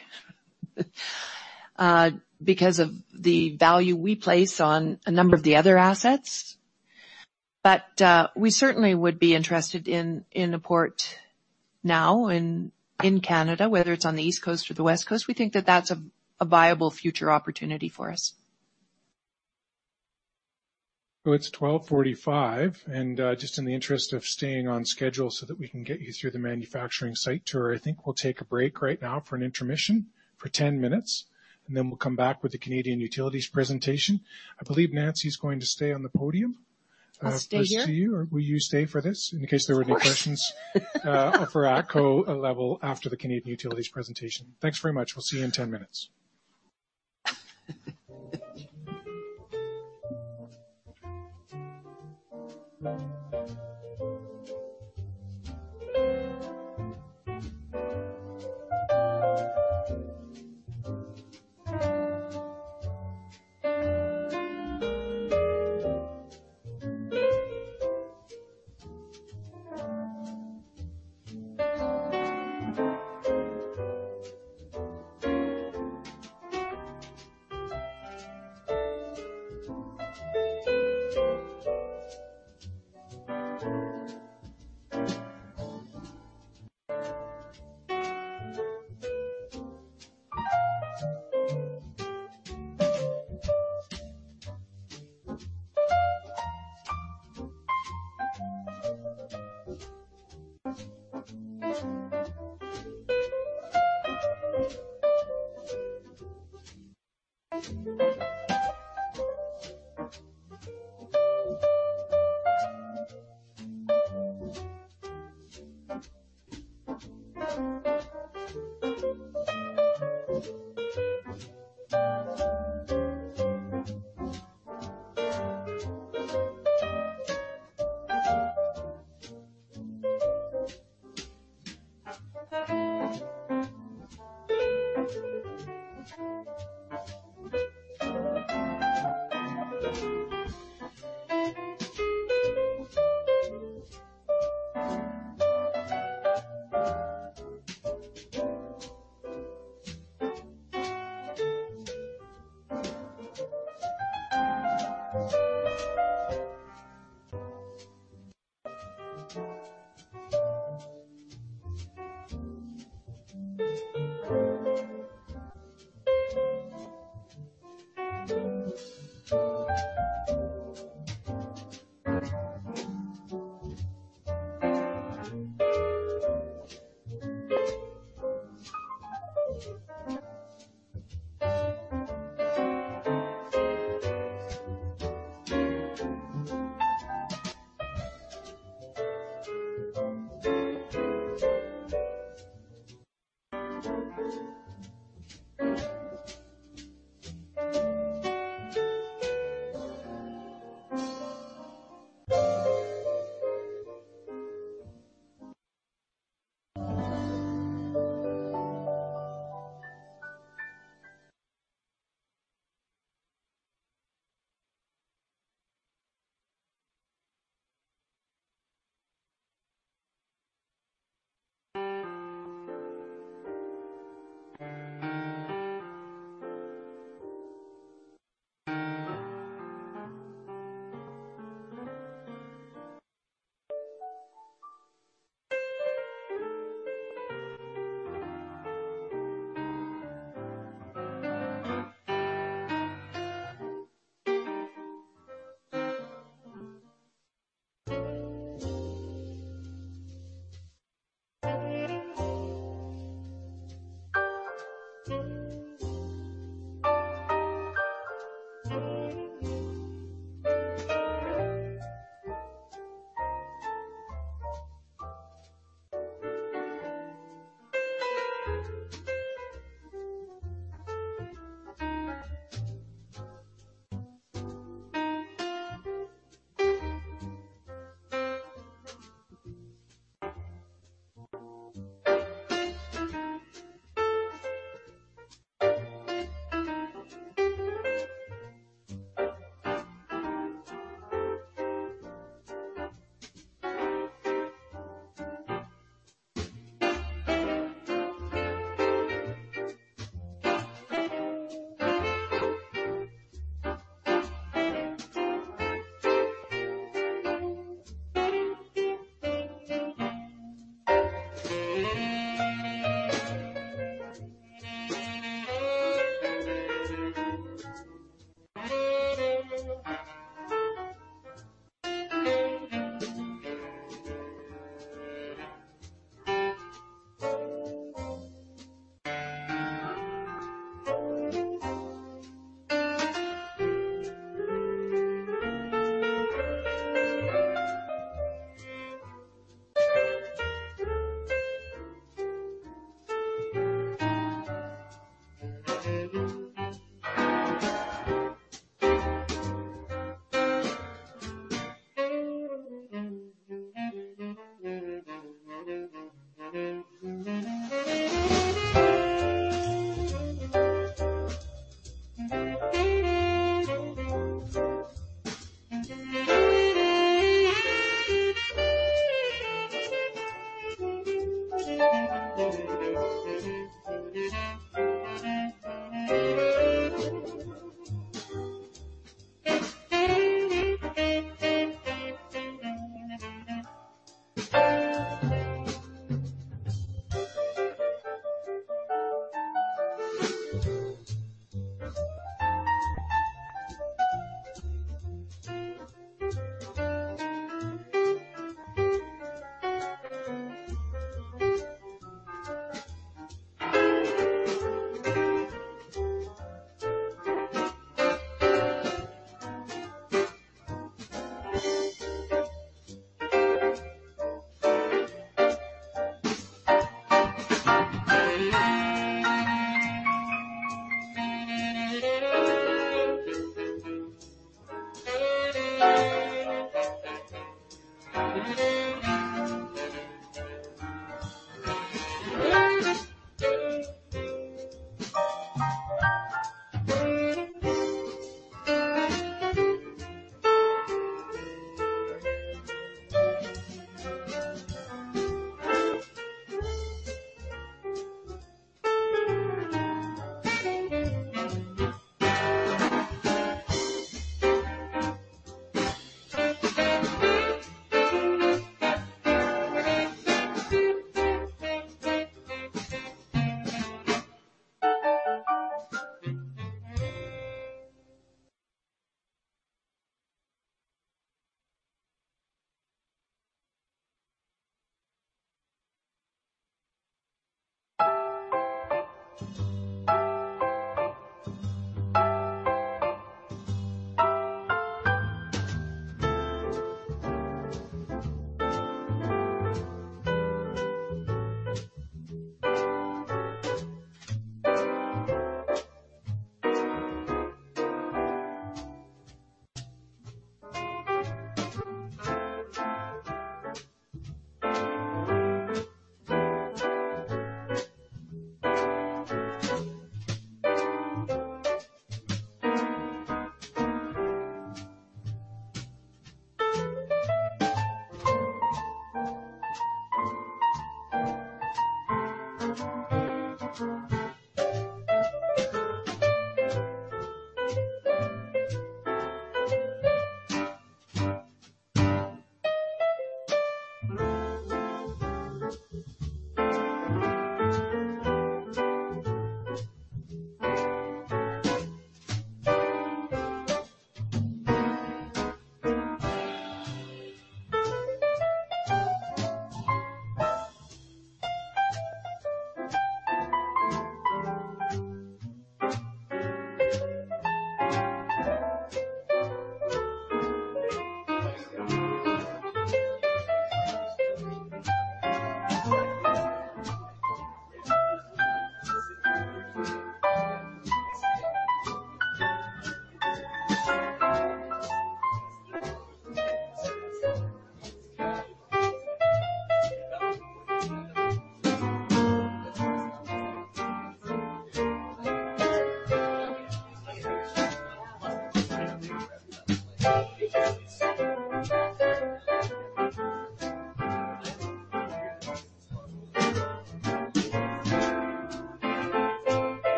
because of the value we place on a number of the other assets. We certainly would be interested in a port now in Canada, whether it is on the East Coast or the West Coast. We think that that is a viable future opportunity for us. It's 12:45, and just in the interest of staying on schedule so that we can get you through the manufacturing site tour, I think we'll take a break right now for an intermission for 10 minutes, and then we'll come back with the Canadian Utilities presentation. I believe Nancy's going to stay on the podium. I'll stay here. Will you stay for this in case there were any questions for ATCO level after the Canadian Utilities presentation. Thanks very much. We'll see you in 10 minutes.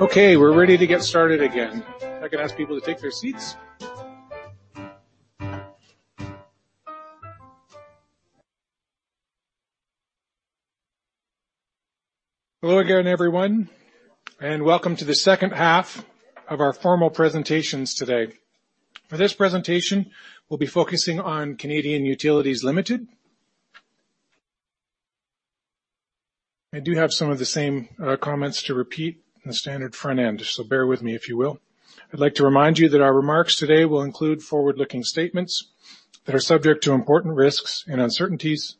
Okay, we're ready to get started again. If I could ask people to take their seats. Hello again, everyone, and welcome to the second half of our formal presentations today. For this presentation, we'll be focusing on Canadian Utilities Limited. I do have some of the same comments to repeat in the standard front end, so bear with me if you will. I'd like to remind you that our remarks today will include forward-looking statements that are subject to important risks and uncertainties.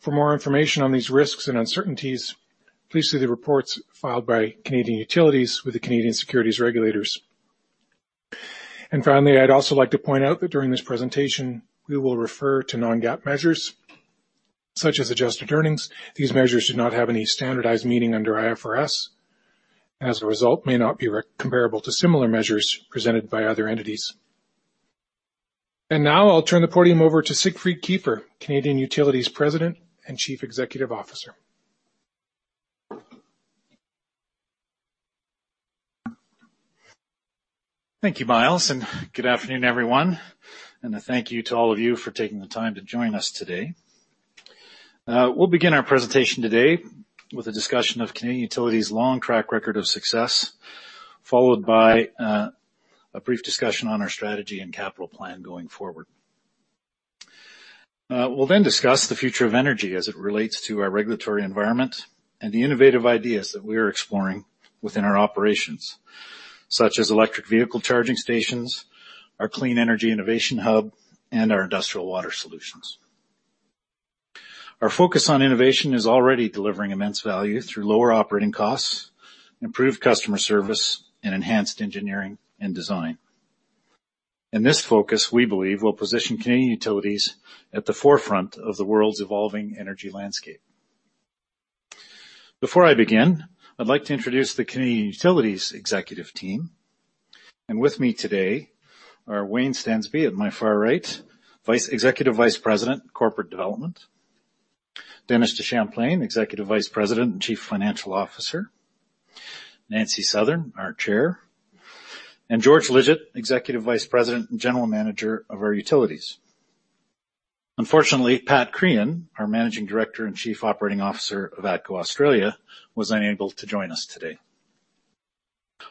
For more information on these risks and uncertainties, please see the reports filed by Canadian Utilities with the Canadian securities regulators. Finally, I'd also like to point out that during this presentation, we will refer to non-GAAP measures, such as adjusted earnings. These measures do not have any standardized meaning under IFRS, and as a result, may not be comparable to similar measures presented by other entities. Now I'll turn the podium over to Siegfried Kiefer, Canadian Utilities President and Chief Executive Officer. Thank you, Myles. Good afternoon, everyone. A thank you to all of you for taking the time to join us today. We'll begin our presentation today with a discussion of Canadian Utilities' long track record of success, followed by a brief discussion on our strategy and capital plan going forward. We'll then discuss the future of energy as it relates to our regulatory environment and the innovative ideas that we are exploring within our operations, such as electric vehicle charging stations, our Clean Energy Innovation Hub, and our industrial water solutions. Our focus on innovation is already delivering immense value through lower operating costs, improved customer service, and enhanced engineering and design. This focus, we believe, will position Canadian Utilities at the forefront of the world's evolving energy landscape. Before I begin, I'd like to introduce the Canadian Utilities executive team. With me today are Wayne Stensby, at my far right, Executive Vice President, Corporate Development. Dennis DeChamplain, Executive Vice President and Chief Financial Officer. Nancy Southern, our Chair, and George Lidgett, Executive Vice President and General Manager of our utilities. Unfortunately, Pat Crean, our Managing Director and Chief Operating Officer of ATCO Australia, was unable to join us today.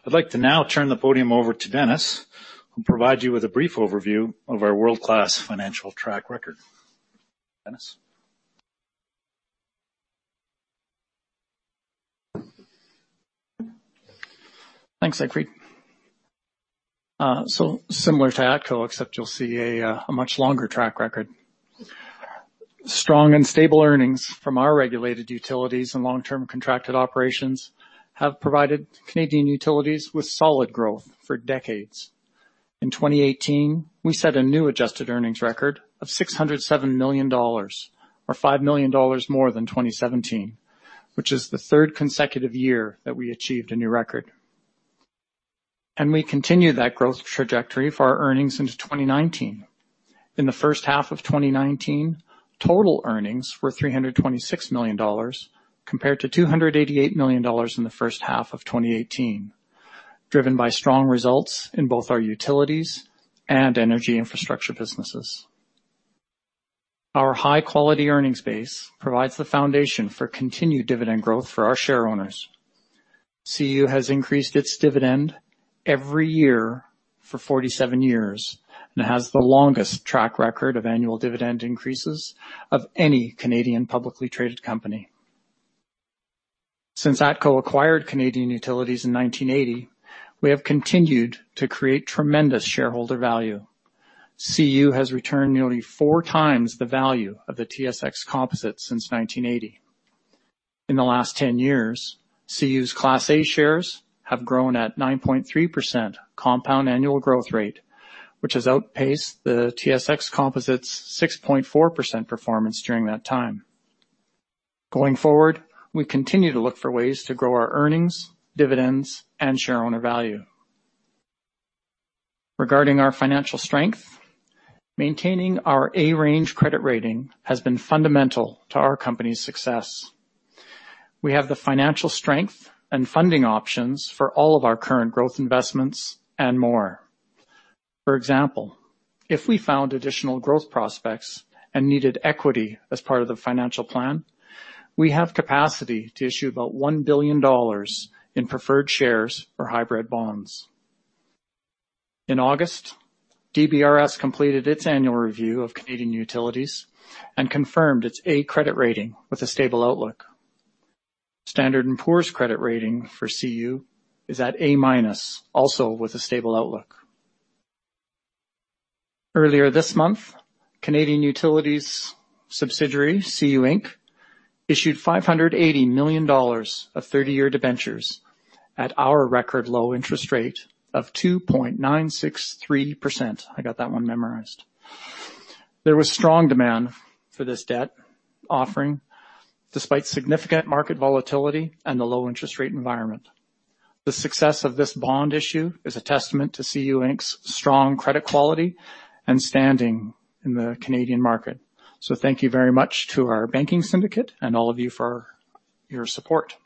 I'd like to now turn the podium over to Dennis, who'll provide you with a brief overview of our world-class financial track record. Dennis? Thanks, Siegfried. Similar to ATCO, except you'll see a much longer track record. Strong and stable earnings from our regulated utilities and long-term contracted operations have provided Canadian Utilities with solid growth for decades. In 2018, we set a new adjusted earnings record of 607 million dollars, or 5 million dollars more than 2017, which is the third consecutive year that we achieved a new record. We continue that growth trajectory for our earnings into 2019. In the first half of 2019, total earnings were 326 million dollars compared to 288 million dollars in the first half of 2018, driven by strong results in both our utilities and energy infrastructure businesses. Our high-quality earnings base provides the foundation for continued dividend growth for our shareowners. CU has increased its dividend every year for 47 years and has the longest track record of annual dividend increases of any Canadian publicly traded company. Since ATCO acquired Canadian Utilities in 1980, we have continued to create tremendous shareholder value. CU has returned nearly four times the value of the S&P/TSX Composite since 1980. In the last 10 years, CU's Class A shares have grown at 9.3% compound annual growth rate, which has outpaced the S&P/TSX Composite's 6.4% performance during that time. Going forward, we continue to look for ways to grow our earnings, dividends, and shareowner value. Regarding our financial strength, maintaining our A-range credit rating has been fundamental to our company's success. We have the financial strength and funding options for all of our current growth investments and more. For example, if we found additional growth prospects and needed equity as part of the financial plan, we have capacity to issue about 1 billion dollars in preferred shares or hybrid bonds. In August, DBRS completed its annual review of Canadian Utilities and confirmed its A credit rating with a stable outlook. Standard & Poor's credit rating for CU is at A-minus, also with a stable outlook. Earlier this month, Canadian Utilities subsidiary, CU Inc issued 580 million dollars of 30-year debentures at our record low interest rate of 2.963%. I got that one memorized. There was strong demand for this debt offering, despite significant market volatility and the low interest rate environment. The success of this bond issue is a testament to CU Inc's strong credit quality and standing in the Canadian market. Thank you very much to our banking syndicate and all of you for your support.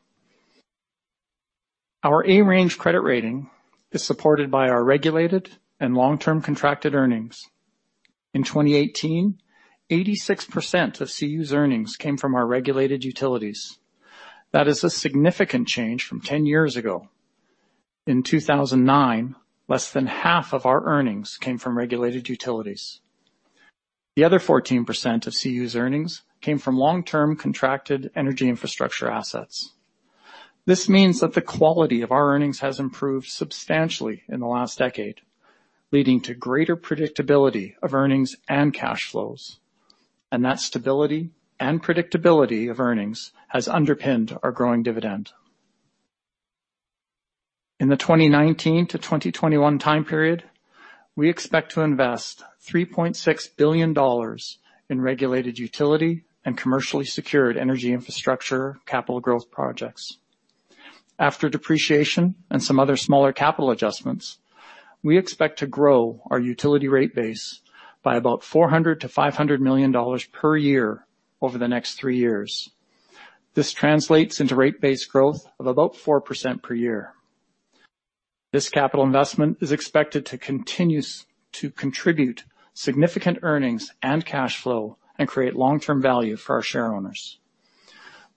Our A-range credit rating is supported by our regulated and long-term contracted earnings. In 2018, 86% of CU's earnings came from our regulated utilities. That is a significant change from 10 years ago. In 2009, less than half of our earnings came from regulated utilities. The other 14% of CU's earnings came from long-term contracted energy infrastructure assets. This means that the quality of our earnings has improved substantially in the last decade, leading to greater predictability of earnings and cash flows. That stability and predictability of earnings has underpinned our growing dividend. In the 2019 to 2021 time period, we expect to invest 3.6 billion dollars in regulated utility and commercially secured energy infrastructure capital growth projects. After depreciation and some other smaller capital adjustments, we expect to grow our utility rate base by about 400 million-500 million dollars per year over the next three years. This translates into rate base growth of about 4% per year. This capital investment is expected to continue to contribute significant earnings and cash flow and create long-term value for our share owners.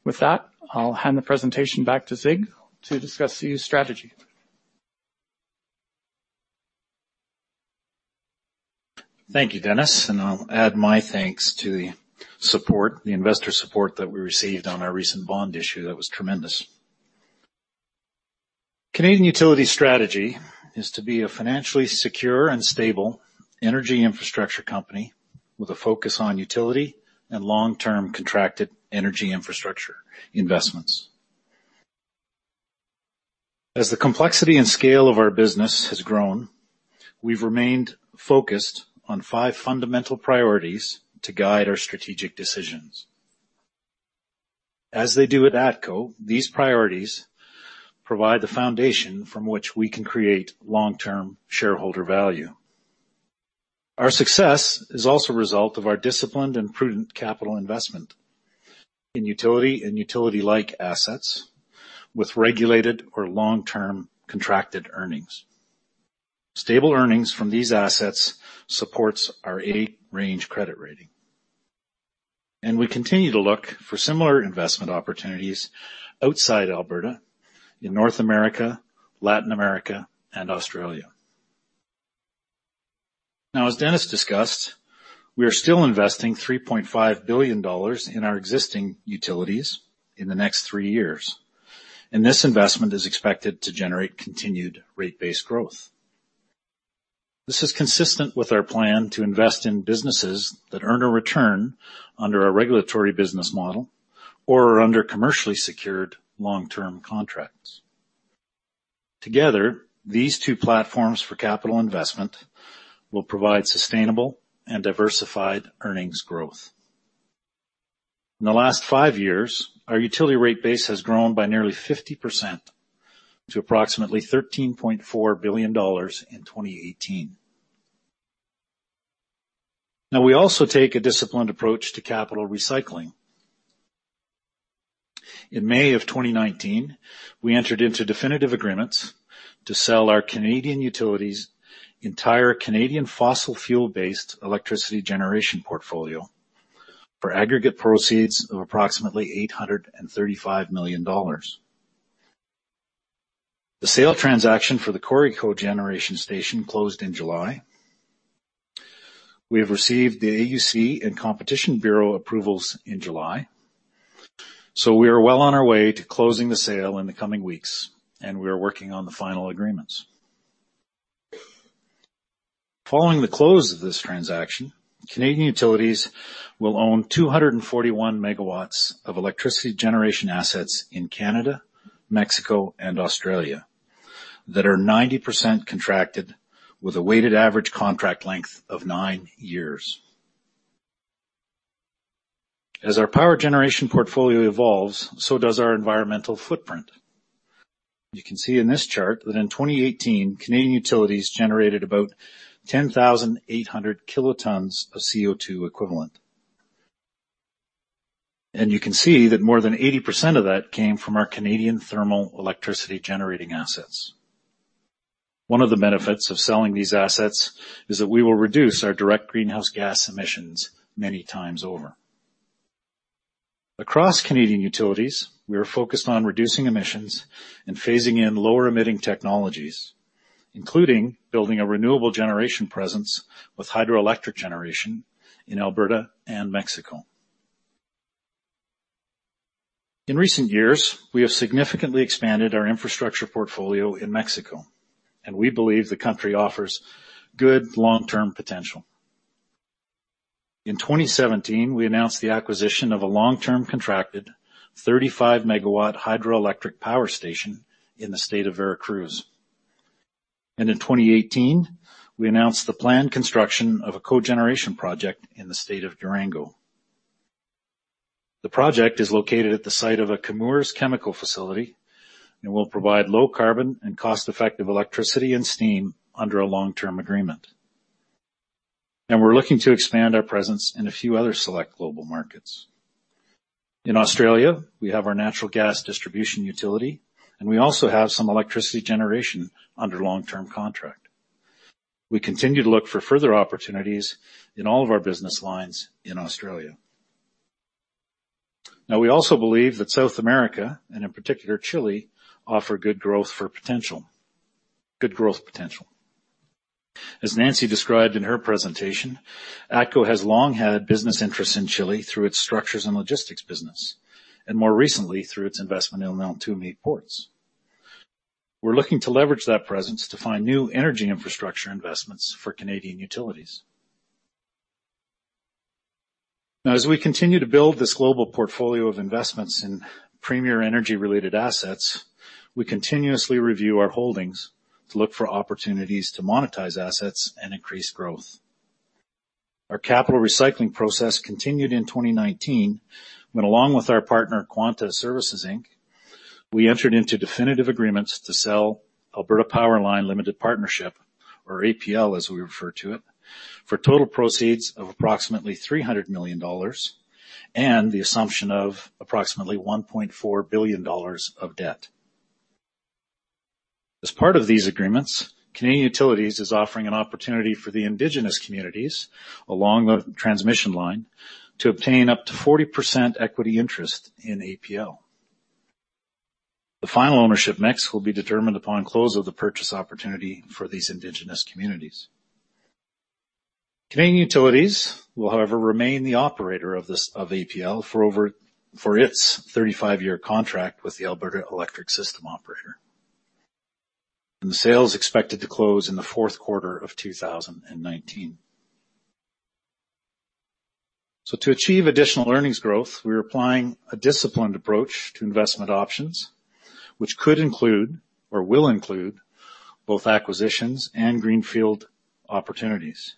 With that, I'll hand the presentation back to Sig to discuss CU's strategy. Thank you, Dennis, I'll add my thanks to the investor support that we received on our recent bond issue. That was tremendous. Canadian Utilities' strategy is to be a financially secure and stable energy infrastructure company with a focus on utility and long-term contracted energy infrastructure investments. As the complexity and scale of our business has grown, we've remained focused on five fundamental priorities to guide our strategic decisions. As they do at ATCO, these priorities provide the foundation from which we can create long-term shareholder value. Our success is also a result of our disciplined and prudent capital investment in utility and utility-like assets with regulated or long-term contracted earnings. Stable earnings from these assets supports our A-range credit rating, and we continue to look for similar investment opportunities outside Alberta in North America, Latin America, and Australia. As Dennis discussed, we are still investing 3.5 billion dollars in our existing utilities in the next three years, and this investment is expected to generate continued rate-based growth. This is consistent with our plan to invest in businesses that earn a return under a regulatory business model or are under commercially secured long-term contracts. Together, these two platforms for capital investment will provide sustainable and diversified earnings growth. In the last five years, our utility rate base has grown by nearly 50% to approximately 13.4 billion dollars in 2018. We also take a disciplined approach to capital recycling. In May of 2019, we entered into definitive agreements to sell our Canadian Utilities entire Canadian fossil fuel-based electricity generation portfolio for aggregate proceeds of approximately 835 million dollars. The sale transaction for the Cory Cogeneration station closed in July. We have received the AUC and Competition Bureau approvals in July. We are well on our way to closing the sale in the coming weeks, and we are working on the final agreements. Following the close of this transaction, Canadian Utilities will own 241 MW of electricity generation assets in Canada, Mexico, and Australia that are 90% contracted with a weighted average contract length of nine years. As our power generation portfolio evolves, so does our environmental footprint. You can see in this chart that in 2018, Canadian Utilities generated about 10,800 kilotons of CO2 equivalent. You can see that more than 80% of that came from our Canadian thermal electricity generating assets. One of the benefits of selling these assets is that we will reduce our direct greenhouse gas emissions many times over. Across Canadian Utilities, we are focused on reducing emissions and phasing in lower-emitting technologies, including building a renewable generation presence with hydroelectric generation in Alberta and Mexico. In recent years, we have significantly expanded our infrastructure portfolio in Mexico, and we believe the country offers good long-term potential. In 2017, we announced the acquisition of a long-term contracted 35 MW hydroelectric power station in the state of Veracruz. In 2018, we announced the planned construction of a cogeneration project in the state of Durango. The project is located at the site of a Chemours chemical facility, and will provide low carbon and cost-effective electricity and steam under a long-term agreement. We're looking to expand our presence in a few other select global markets. In Australia, we have our natural gas distribution utility, and we also have some electricity generation under long-term contract. We continue to look for further opportunities in all of our business lines in Australia. Now we also believe that South America, and in particular Chile, offer good growth potential. As Nancy described in her presentation, ATCO has long had business interests in Chile through its structures and logistics business, and more recently, through its investment in Neltume Ports. We're looking to leverage that presence to find new energy infrastructure investments for Canadian Utilities. Now, as we continue to build this global portfolio of investments in premier energy-related assets, we continuously review our holdings to look for opportunities to monetize assets and increase growth. Our capital recycling process continued in 2019, when along with our partner Quanta Services, Inc., we entered into definitive agreements to sell Alberta PowerLine Limited Partnership, or APL as we refer to it, for total proceeds of approximately 300 million dollars and the assumption of approximately 1.4 billion dollars of debt. As part of these agreements, Canadian Utilities is offering an opportunity for the indigenous communities along the transmission line to obtain up to 40% equity interest in APL. The final ownership mix will be determined upon close of the purchase opportunity for these indigenous communities. Canadian Utilities will, however, remain the operator of APL for its 35-year contract with the Alberta Electric System Operator. The sale is expected to close in the fourth quarter of 2019. To achieve additional earnings growth, we're applying a disciplined approach to investment options, which could include or will include both acquisitions and greenfield opportunities.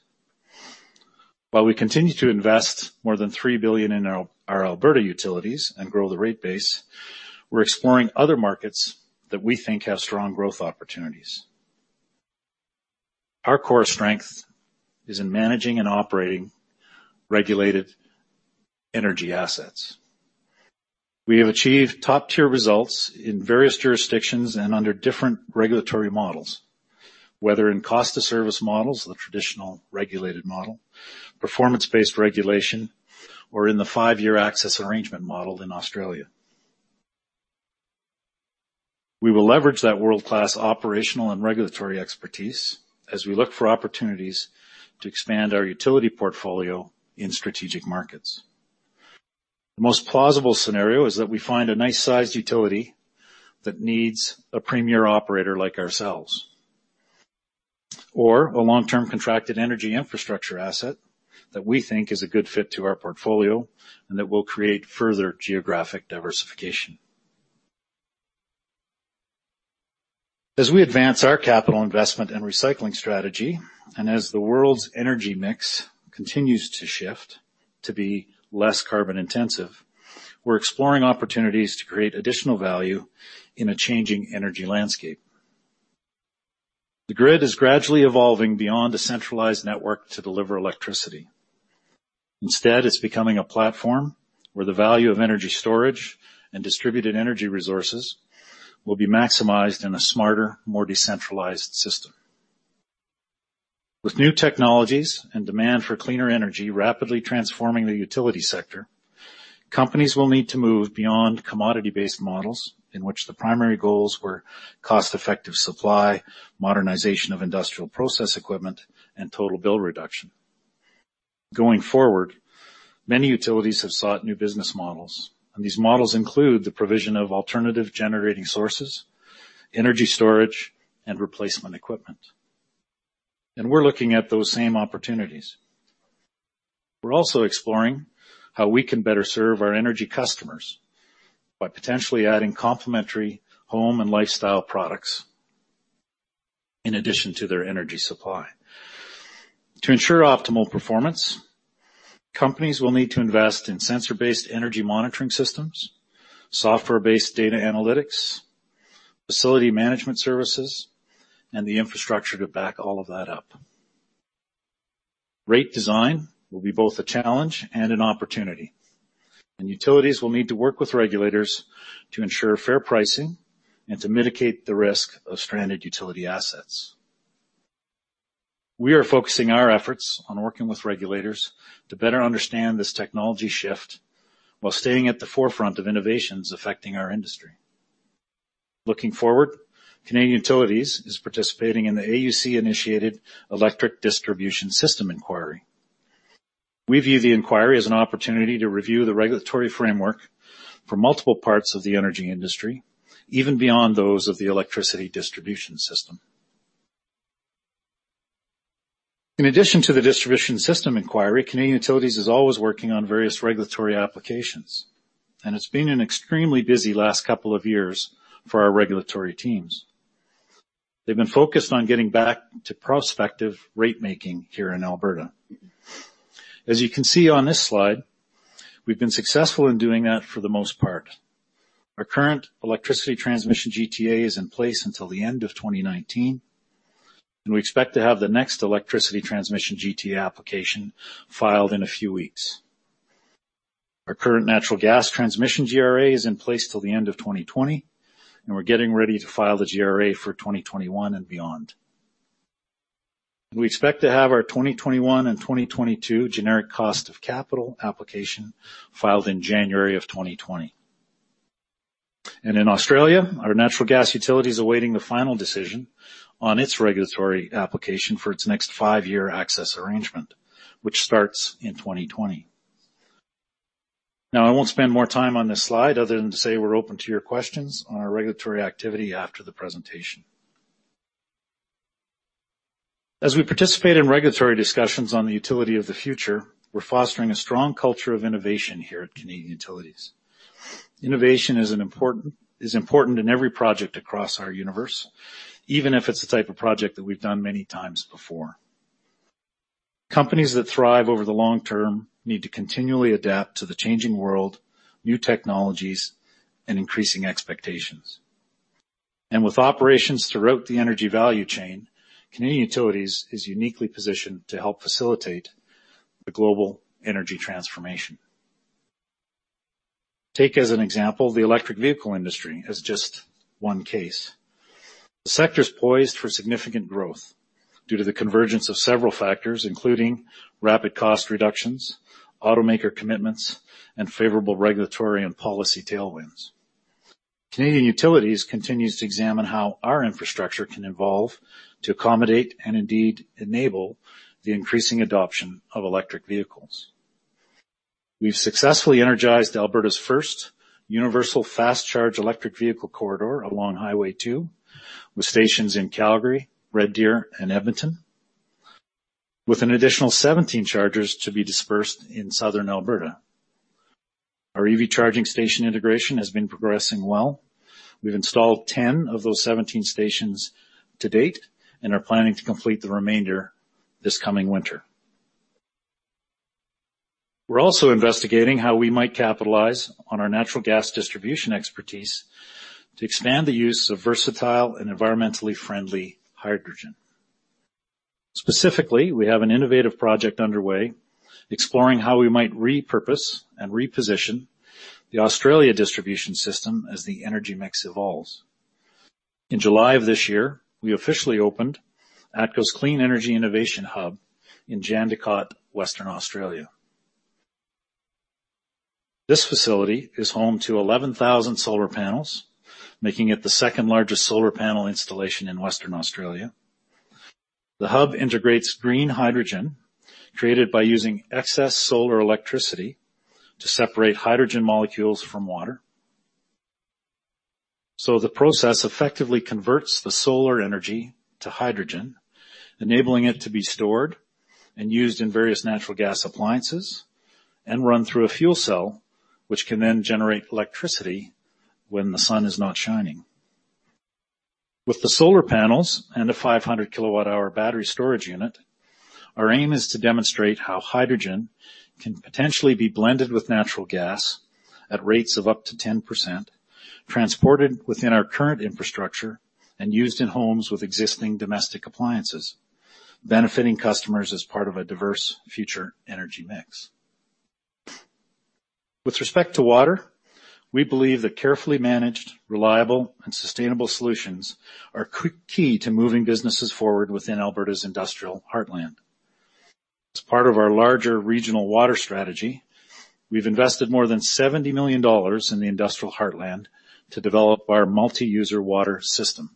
While we continue to invest more than 3 billion in our Alberta utilities and grow the rate base, we're exploring other markets that we think have strong growth opportunities. Our core strength is in managing and operating regulated energy assets. We have achieved top-tier results in various jurisdictions and under different regulatory models, whether in cost of service models, the traditional regulated model, performance-based regulation, or in the five-year access arrangement model in Australia. We will leverage that world-class operational and regulatory expertise as we look for opportunities to expand our utility portfolio in strategic markets. The most plausible scenario is that we find a nice-sized utility that needs a premier operator like ourselves, or a long-term contracted energy infrastructure asset that we think is a good fit to our portfolio and that will create further geographic diversification. As we advance our capital investment and recycling strategy, and as the world's energy mix continues to shift to be less carbon-intensive, we're exploring opportunities to create additional value in a changing energy landscape. The grid is gradually evolving beyond a centralized network to deliver electricity. Instead, it's becoming a platform where the value of energy storage and distributed energy resources will be maximized in a smarter, more decentralized system. With new technologies and demand for cleaner energy rapidly transforming the utility sector, companies will need to move beyond commodity-based models in which the primary goals were cost-effective supply, modernization of industrial process equipment, and total bill reduction. Going forward, many utilities have sought new business models. These models include the provision of alternative generating sources, energy storage, and replacement equipment. We're looking at those same opportunities. We're also exploring how we can better serve our energy customers by potentially adding complementary home and lifestyle products in addition to their energy supply. To ensure optimal performance, companies will need to invest in sensor-based energy monitoring systems, software-based data analytics, facility management services, and the infrastructure to back all of that up. Rate design will be both a challenge and an opportunity. Utilities will need to work with regulators to ensure fair pricing and to mitigate the risk of stranded utility assets. We are focusing our efforts on working with regulators to better understand this technology shift while staying at the forefront of innovations affecting our industry. Looking forward, Canadian Utilities is participating in the AUC-initiated Distribution System Inquiry. We view the inquiry as an opportunity to review the regulatory framework for multiple parts of the energy industry, even beyond those of the electricity distribution system. In addition to the Distribution System Inquiry, Canadian Utilities is always working on various regulatory applications. It's been an extremely busy last couple of years for our regulatory teams. They've been focused on getting back to prospective rate-making here in Alberta. As you can see on this slide, we've been successful in doing that for the most part. Our current electricity transmission GTA is in place until the end of 2019. We expect to have the next electricity transmission GTA application filed in a few weeks. Our current natural gas transmission GRA is in place till the end of 2020, and we're getting ready to file the GRA for 2021 and beyond. We expect to have our 2021 and 2022 generic cost of capital application filed in January of 2020. In Australia, our natural gas utility is awaiting the final decision on its regulatory application for its next five-year access arrangement, which starts in 2020. Now, I won't spend more time on this slide other than to say we're open to your questions on our regulatory activity after the presentation. As we participate in regulatory discussions on the utility of the future, we're fostering a strong culture of innovation here at Canadian Utilities. Innovation is important in every project across our universe, even if it's the type of project that we've done many times before. Companies that thrive over the long term need to continually adapt to the changing world, new technologies, and increasing expectations. With operations throughout the energy value chain, Canadian Utilities is uniquely positioned to help facilitate the global energy transformation. Take, as an example, the electric vehicle industry as just one case. The sector's poised for significant growth due to the convergence of several factors, including rapid cost reductions, automaker commitments, and favorable regulatory and policy tailwinds. Canadian Utilities continues to examine how our infrastructure can evolve to accommodate and indeed enable the increasing adoption of electric vehicles. We've successfully energized Alberta's first universal fast-charge electric vehicle corridor along Highway 2 with stations in Calgary, Red Deer, and Edmonton, with an additional 17 chargers to be dispersed in Southern Alberta. Our EV charging station integration has been progressing well. We've installed 10 of those 17 stations to date and are planning to complete the remainder this coming winter. We're also investigating how we might capitalize on our natural gas distribution expertise to expand the use of versatile and environmentally friendly hydrogen. Specifically, we have an innovative project underway exploring how we might repurpose and reposition the Australia distribution system as the energy mix evolves. In July of this year, we officially opened ATCO's Clean Energy Innovation Hub in Jandakot, Western Australia. This facility is home to 11,000 solar panels, making it the second-largest solar panel installation in Western Australia. The hub integrates green hydrogen created by using excess solar electricity to separate hydrogen molecules from water. The process effectively converts the solar energy to hydrogen, enabling it to be stored and used in various natural gas appliances and run through a fuel cell, which can then generate electricity when the sun is not shining. With the solar panels and a 500 kilowatt-hour battery storage unit, our aim is to demonstrate how hydrogen can potentially be blended with natural gas at rates of up to 10%, transported within our current infrastructure, and used in homes with existing domestic appliances, benefiting customers as part of a diverse future energy mix. With respect to water, we believe that carefully managed, reliable, and sustainable solutions are key to moving businesses forward within Alberta's Industrial Heartland. As part of our larger regional water strategy, we've invested more than 70 million dollars in the Industrial Heartland to develop our multi-user water system.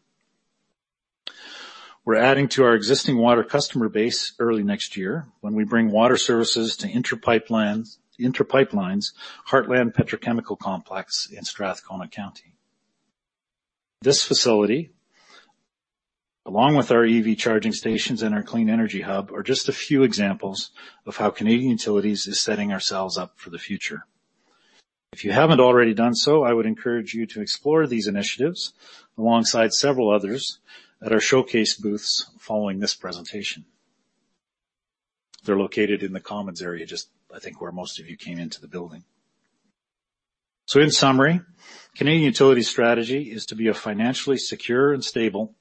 We're adding to our existing water customer base early next year when we bring water services to Inter Pipeline's Heartland Petrochemical Complex in Strathcona County. This facility, along with our EV charging stations and our Clean Energy Innovation Hub, are just a few examples of how Canadian Utilities is setting ourselves up for the future. If you haven't already done so, I would encourage you to explore these initiatives alongside several others at our showcase booths following this presentation. They're located in the commons area, just, I think, where most of you came into the building. In summary, Canadian Utilities' strategy is to be a financially secure and stable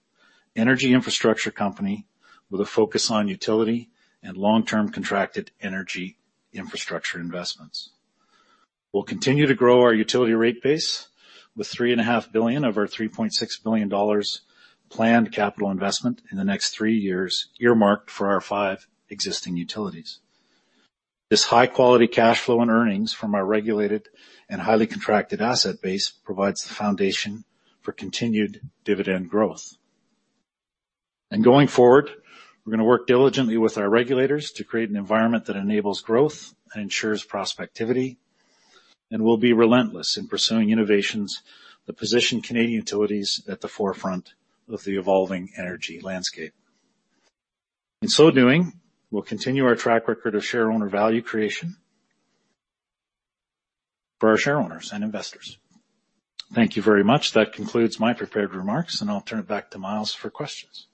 energy infrastructure company with a focus on utility and long-term contracted energy infrastructure investments. We'll continue to grow our utility rate base with three and a half billion of our 3.6 billion dollars planned capital investment in the next three years earmarked for our five existing utilities. This high-quality cash flow and earnings from our regulated and highly contracted asset base provides the foundation for continued dividend growth. Going forward, we're going to work diligently with our regulators to create an environment that enables growth and ensures prospectivity, and we'll be relentless in pursuing innovations that position Canadian Utilities at the forefront of the evolving energy landscape. In so doing, we'll continue our track record of shareowner value creation for our shareowners and investors. Thank you very much. That concludes my prepared remarks, and I'll turn it back to Myles for questions.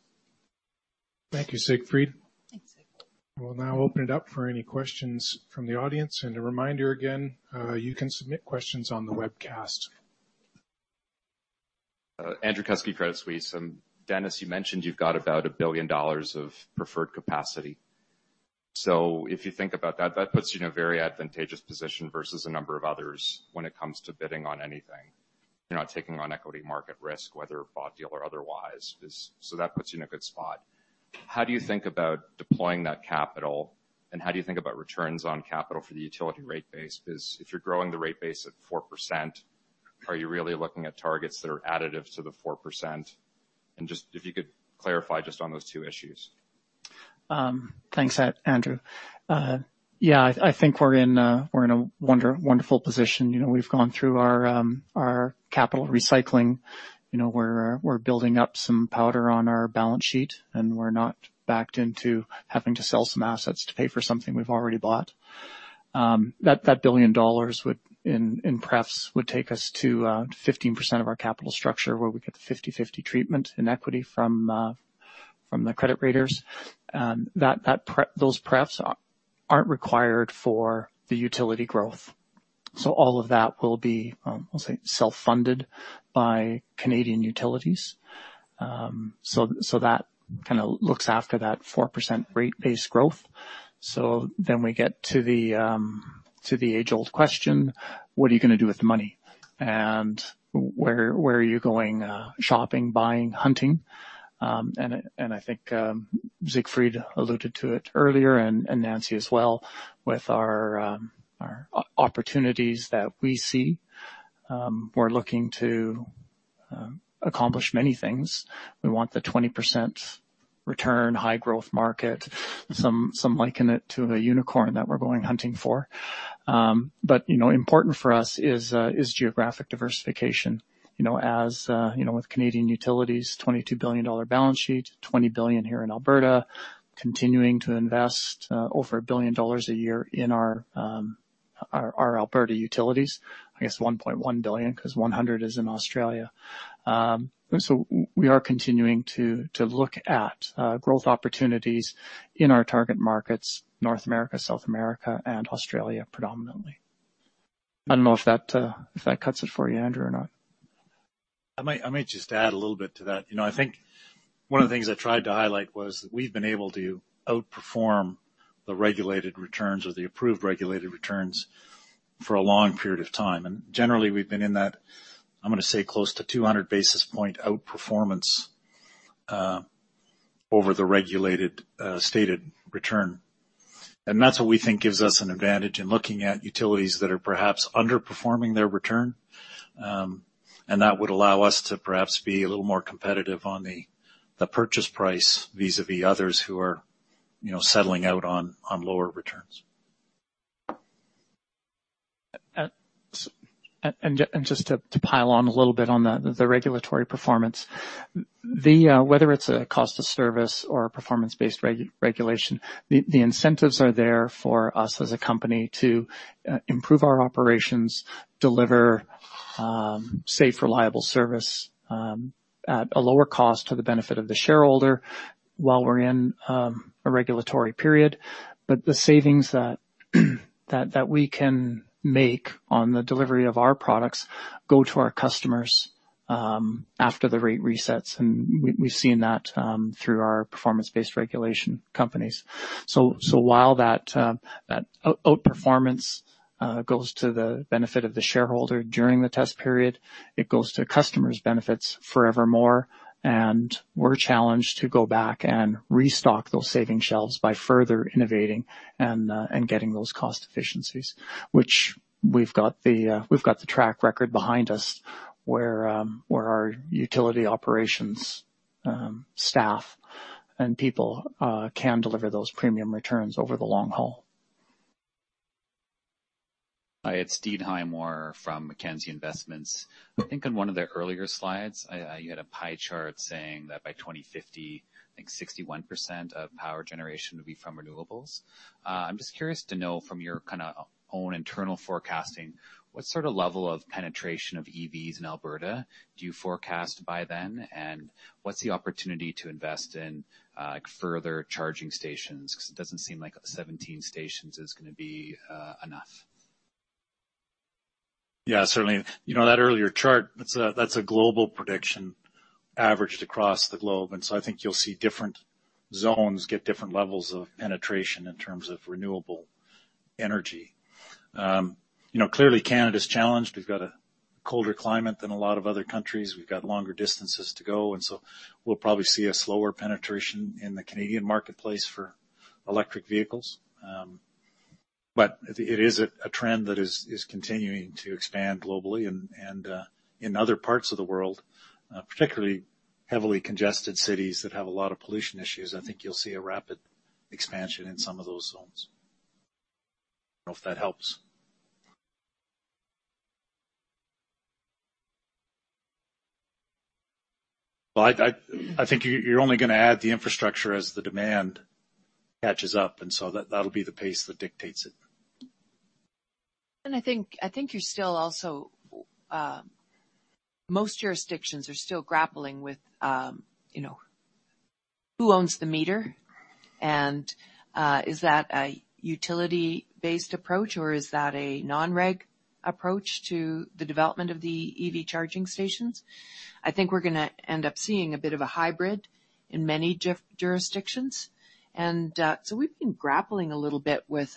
Thank you, Siegfried. Thanks, Siegfried. We'll now open it up for any questions from the audience. A reminder again, you can submit questions on the webcast. Andrew Kuske, Credit Suisse. Dennis, you mentioned you've got about 1 billion dollars of preferred capacity. If you think about that puts you in a very advantageous position versus a number of others when it comes to bidding on anything. You're not taking on equity market risk, whether bought deal or otherwise. That puts you in a good spot. How do you think about deploying that capital and how do you think about returns on capital for the utility rate base? If you're growing the rate base at 4%, are you really looking at targets that are additive to the 4%? Just if you could clarify just on those two issues. Thanks, Andrew. I think we're in a wonderful position. We've gone through our capital recycling. We're building up some powder on our balance sheet, and we're not backed into having to sell some assets to pay for something we've already bought. That 1 billion dollars in prefs would take us to 15% of our capital structure, where we get the 50/50 treatment in equity from the credit raters. Those prefs aren't required for the utility growth. All of that will be, I'll say, self-funded by Canadian Utilities. That kind of looks after that 4% rate-based growth. We get to the age-old question: What are you going to do with the money? Where are you going, shopping, buying, hunting? I think Siegfried alluded to it earlier, and Nancy as well, with our opportunities that we see. We're looking to accomplish many things. We want the 20% return, high growth market. Some liken it to a unicorn that we're going hunting for. Important for us is geographic diversification. As with Canadian Utilities' CAD 22 billion balance sheet, CAD 20 billion here in Alberta, continuing to invest over 1 billion dollars a year in our Alberta utilities. I guess 1.1 billion because 100 million is in Australia. We are continuing to look at growth opportunities in our target markets, North America, South America, and Australia predominantly. I don't know if that cuts it for you, Andrew, or not. I might just add a little bit to that. I think one of the things I tried to highlight was that we've been able to outperform the regulated returns or the approved regulated returns for a long period of time. Generally, we've been in that, I'm going to say, close to 200 basis point outperformance over the regulated stated return. That's what we think gives us an advantage in looking at utilities that are perhaps underperforming their return. That would allow us to perhaps be a little more competitive on the purchase price vis-à-vis others who are settling out on lower returns. Just to pile on a little bit on the regulatory performance, whether it's a cost of service or a performance-based regulation, the incentives are there for us as a company to improve our operations, deliver safe, reliable service at a lower cost to the benefit of the shareowner while we're in a regulatory period. The savings that we can make on the delivery of our products go to our customers after the rate resets, and we've seen that through our performance-based regulation companies. While that outperformance goes to the benefit of the shareowner during the test period, it goes to customers' benefits forevermore, and we're challenged to go back and restock those saving shelves by further innovating and getting those cost efficiencies, which we've got the track record behind us where our utility operations staff and people can deliver those premium returns over the long haul. Hi, it's Steve Highmore from Mackenzie Investments. I think on one of the earlier slides, you had a pie chart saying that by 2050, I think 61% of power generation would be from renewables. I'm just curious to know from your kind of own internal forecasting, what sort of level of penetration of EVs in Alberta do you forecast by then? What's the opportunity to invest in further charging stations? Because it doesn't seem like 17 stations is going to be enough. Yeah, certainly. That earlier chart, that's a global prediction averaged across the globe. I think you'll see different zones get different levels of penetration in terms of renewable energy. Clearly, Canada's challenged. We've got a colder climate than a lot of other countries. We've got longer distances to go, and so we'll probably see a slower penetration in the Canadian marketplace for electric vehicles. It is a trend that is continuing to expand globally and in other parts of the world, particularly heavily congested cities that have a lot of pollution issues. I think you'll see a rapid expansion in some of those zones. I don't know if that helps. I think you're only going to add the infrastructure as the demand catches up, and so that'll be the pace that dictates it. I think you're still also Most jurisdictions are still grappling with who owns the meter, and is that a utility-based approach or is that a non-reg approach to the development of the EV charging stations? I think we're going to end up seeing a bit of a hybrid in many jurisdictions. We've been grappling a little bit with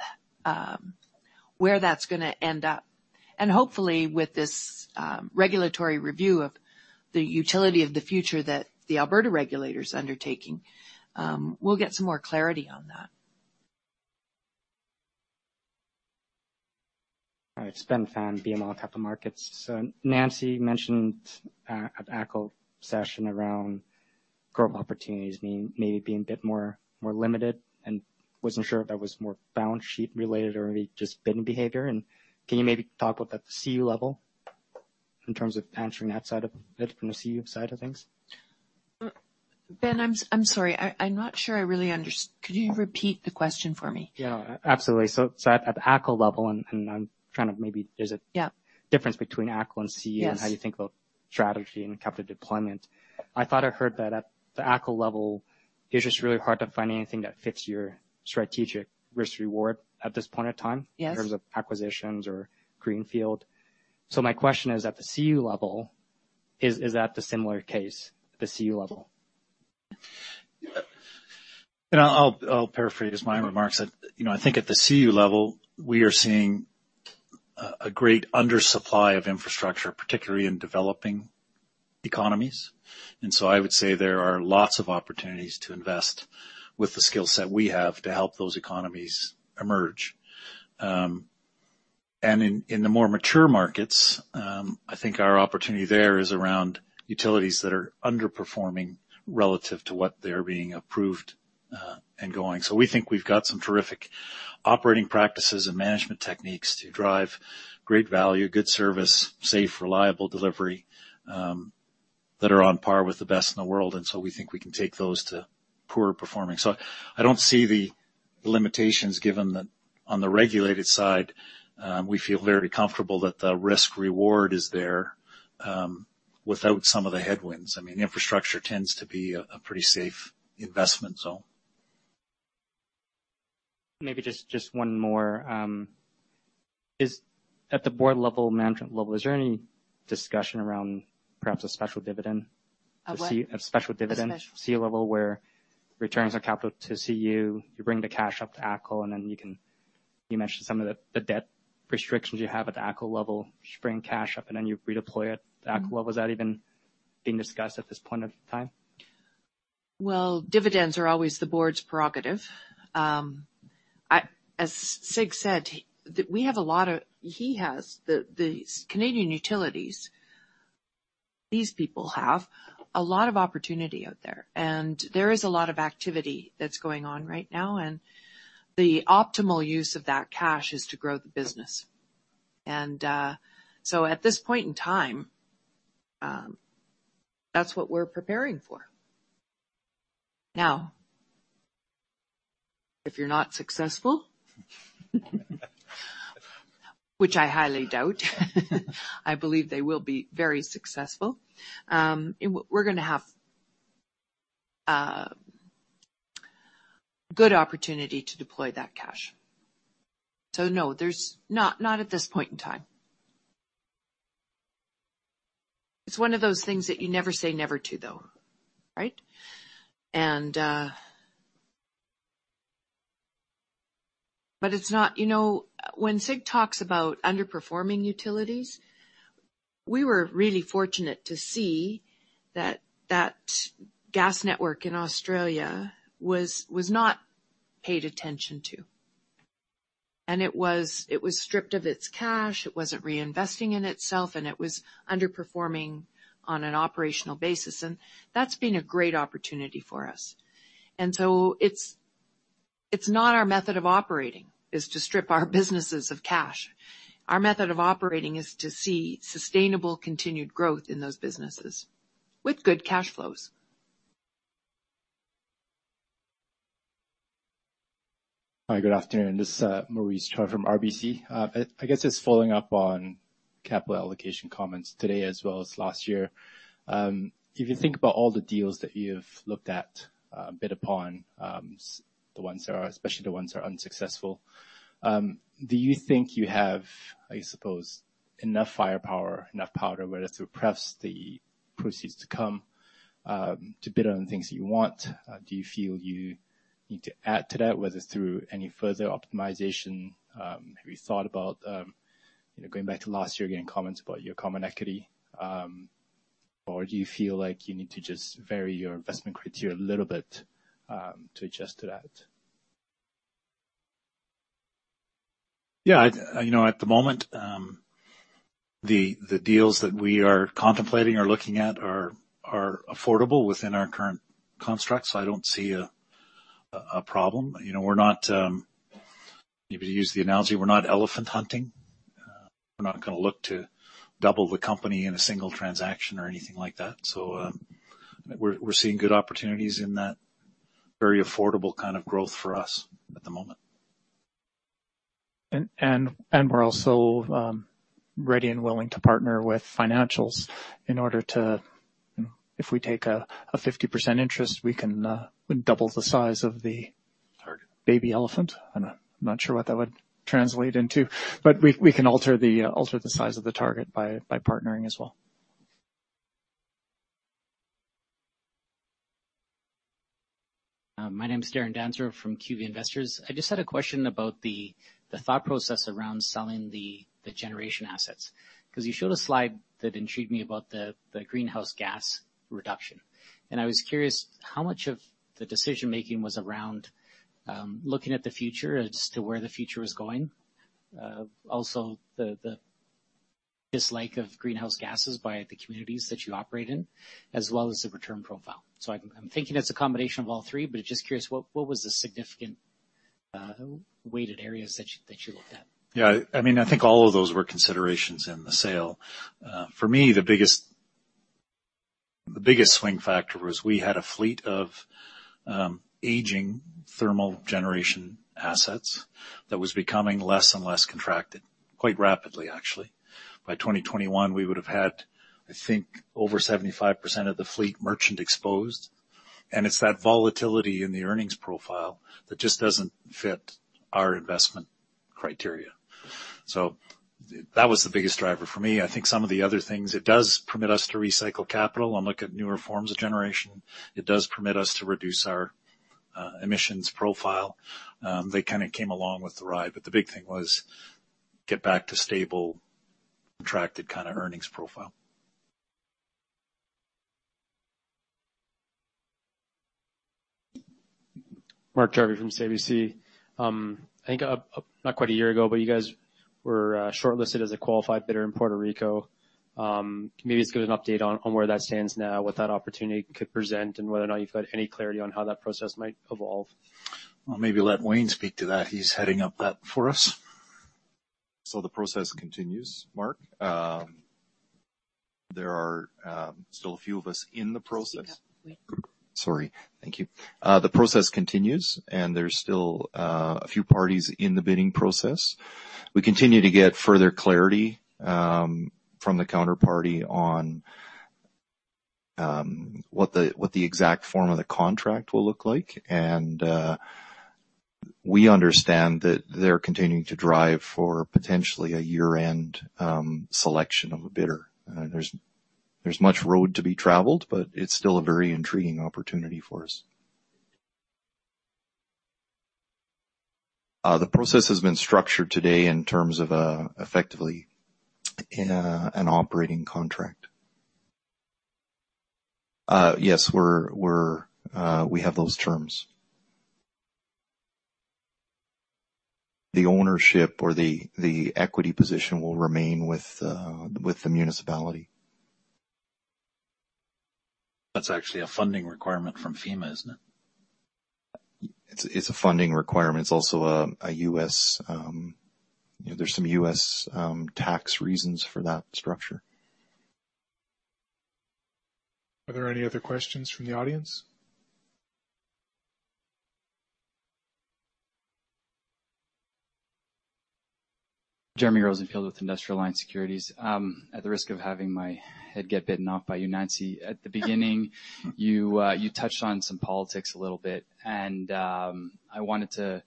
where that's going to end up. Hopefully with this regulatory review of the utility of the future that the Alberta regulator is undertaking, we'll get some more clarity on that. All right. It's Ben Pham, BMO Capital Markets. Nancy mentioned at ATCO session around growth opportunities maybe being a bit more limited and wasn't sure if that was more balance sheet related or just bidding behavior. Can you maybe talk about the CU level in terms of answering that side of it from the CU side of things? Ben, I'm sorry. I'm not sure I really understood. Could you repeat the question for me? Yeah, absolutely. At the ATCO level. Yeah difference between ATCO and CU- Yes How you think about strategy and capital deployment. I thought I heard that at the ATCO level, it's just really hard to find anything that fits your strategic risk-reward at this point of time. Yes in terms of acquisitions or greenfield. My question is, at the CU level, is that the similar case at the CU level? I'll paraphrase my remarks that, I think at the CU level, we are seeing a great undersupply of infrastructure, particularly in developing economies. I would say there are lots of opportunities to invest with the skill set we have to help those economies emerge. In the more mature markets, I think our opportunity there is around utilities that are underperforming relative to what they're being approved and going. We think we've got some terrific operating practices and management techniques to drive great value, good service, safe, reliable delivery, that are on par with the best in the world. We think we can take those to poorer performing. I don't see the limitations given that on the regulated side, we feel very comfortable that the risk-reward is there without some of the headwinds. Infrastructure tends to be a pretty safe investment zone. Maybe just one more. At the board level, management level, is there any discussion around perhaps a special dividend? A what? A special dividend. A special- CU level where returns on capital to CU, you bring the cash up to ATCO. You mentioned some of the debt restrictions you have at the ATCO level, just bring cash up, and then you redeploy it at the ATCO level. Is that even being discussed at this point of time? Well, dividends are always the board's prerogative. As Sig said, Canadian Utilities, these people have a lot of opportunity out there, and there is a lot of activity that's going on right now, and the optimal use of that cash is to grow the business. At this point in time, that's what we're preparing for. Now, if you're not successful which I highly doubt I believe they will be very successful. We're going to have a good opportunity to deploy that cash. No, not at this point in time. It's one of those things that you never say never to, though, right? It's not When Sig talks about underperforming utilities, we were really fortunate to see that that gas network in Australia was not paid attention to. It was stripped of its cash. It wasn't reinvesting in itself, and it was underperforming on an operational basis. That's been a great opportunity for us. It's not our method of operating is to strip our businesses of cash. Our method of operating is to see sustainable, continued growth in those businesses with good cash flows. Hi, good afternoon. This is Maurice Choy from RBC. I guess just following up on capital allocation comments today as well as last year. If you think about all the deals that you've looked at, bid upon, especially the ones that are unsuccessful, do you think you have, I suppose, enough firepower, enough powder, whether through pref, the proceeds to come, to bid on things you want? Do you feel you need to add to that, whether it's through any further optimization? Have you thought about, going back to last year, again, comments about your common equity? Do you feel like you need to just vary your investment criteria a little bit to adjust to that? At the moment, the deals that we are contemplating or looking at are affordable within our current constructs. I don't see a problem. To use the analogy, we're not elephant hunting. We're not going to look to double the company in a single transaction or anything like that. We're seeing good opportunities in that very affordable kind of growth for us at the moment. We're also ready and willing to partner with financials. If we take a 50% interest, we can double the size of the. Target baby elephant. I'm not sure what that would translate into, but we can alter the size of the target by partnering as well. My name is Darren Dansereau from QV Investors. I just had a question about the thought process around selling the generation assets. You showed a slide that intrigued me about the greenhouse gas reduction. I was curious how much of the decision-making was around looking at the future as to where the future was going? Also, the dislike of greenhouse gases by the communities that you operate in, as well as the return profile. I'm thinking it's a combination of all three, but just curious, what was the significant weighted areas that you looked at? Yeah, I think all of those were considerations in the sale. For me, the biggest swing factor was we had a fleet of aging thermal generation assets that was becoming less and less contracted, quite rapidly, actually. By 2021, we would have had, I think, over 75% of the fleet merchant exposed. It's that volatility in the earnings profile that just doesn't fit our investment criteria. That was the biggest driver for me. I think some of the other things, it does permit us to recycle capital and look at newer forms of generation. It does permit us to reduce our emissions profile. They kind of came along with the ride, but the big thing was get back to stable, contracted kind of earnings profile. Mark Jarvi from CIBC. I think not quite a year ago, but you guys were shortlisted as a qualified bidder in Puerto Rico. Maybe just give an update on where that stands now, what that opportunity could present, and whether or not you've got any clarity on how that process might evolve? I'll maybe let Wayne speak to that. He's heading up that for us. The process continues, Mark. There are still a few of us in the process. Speak up, Wayne. Sorry. Thank you. The process continues, and there is still a few parties in the bidding process. We continue to get further clarity from the counterparty on what the exact form of the contract will look like, and we understand that they are continuing to drive for potentially a year-end selection of a bidder. There is much road to be traveled, but it is still a very intriguing opportunity for us. The process has been structured today in terms of effectively an operating contract. Yes, we have those terms. The ownership or the equity position will remain with the municipality. That's actually a funding requirement from FEMA, isn't it? It's a funding requirement. There's some U.S. tax reasons for that structure. Are there any other questions from the audience? Jeremy Rosenfield with Industrial Alliance Securities. At the risk of having my head get bitten off by you, Nancy, at the beginning, you touched on some politics a little bit. I wanted to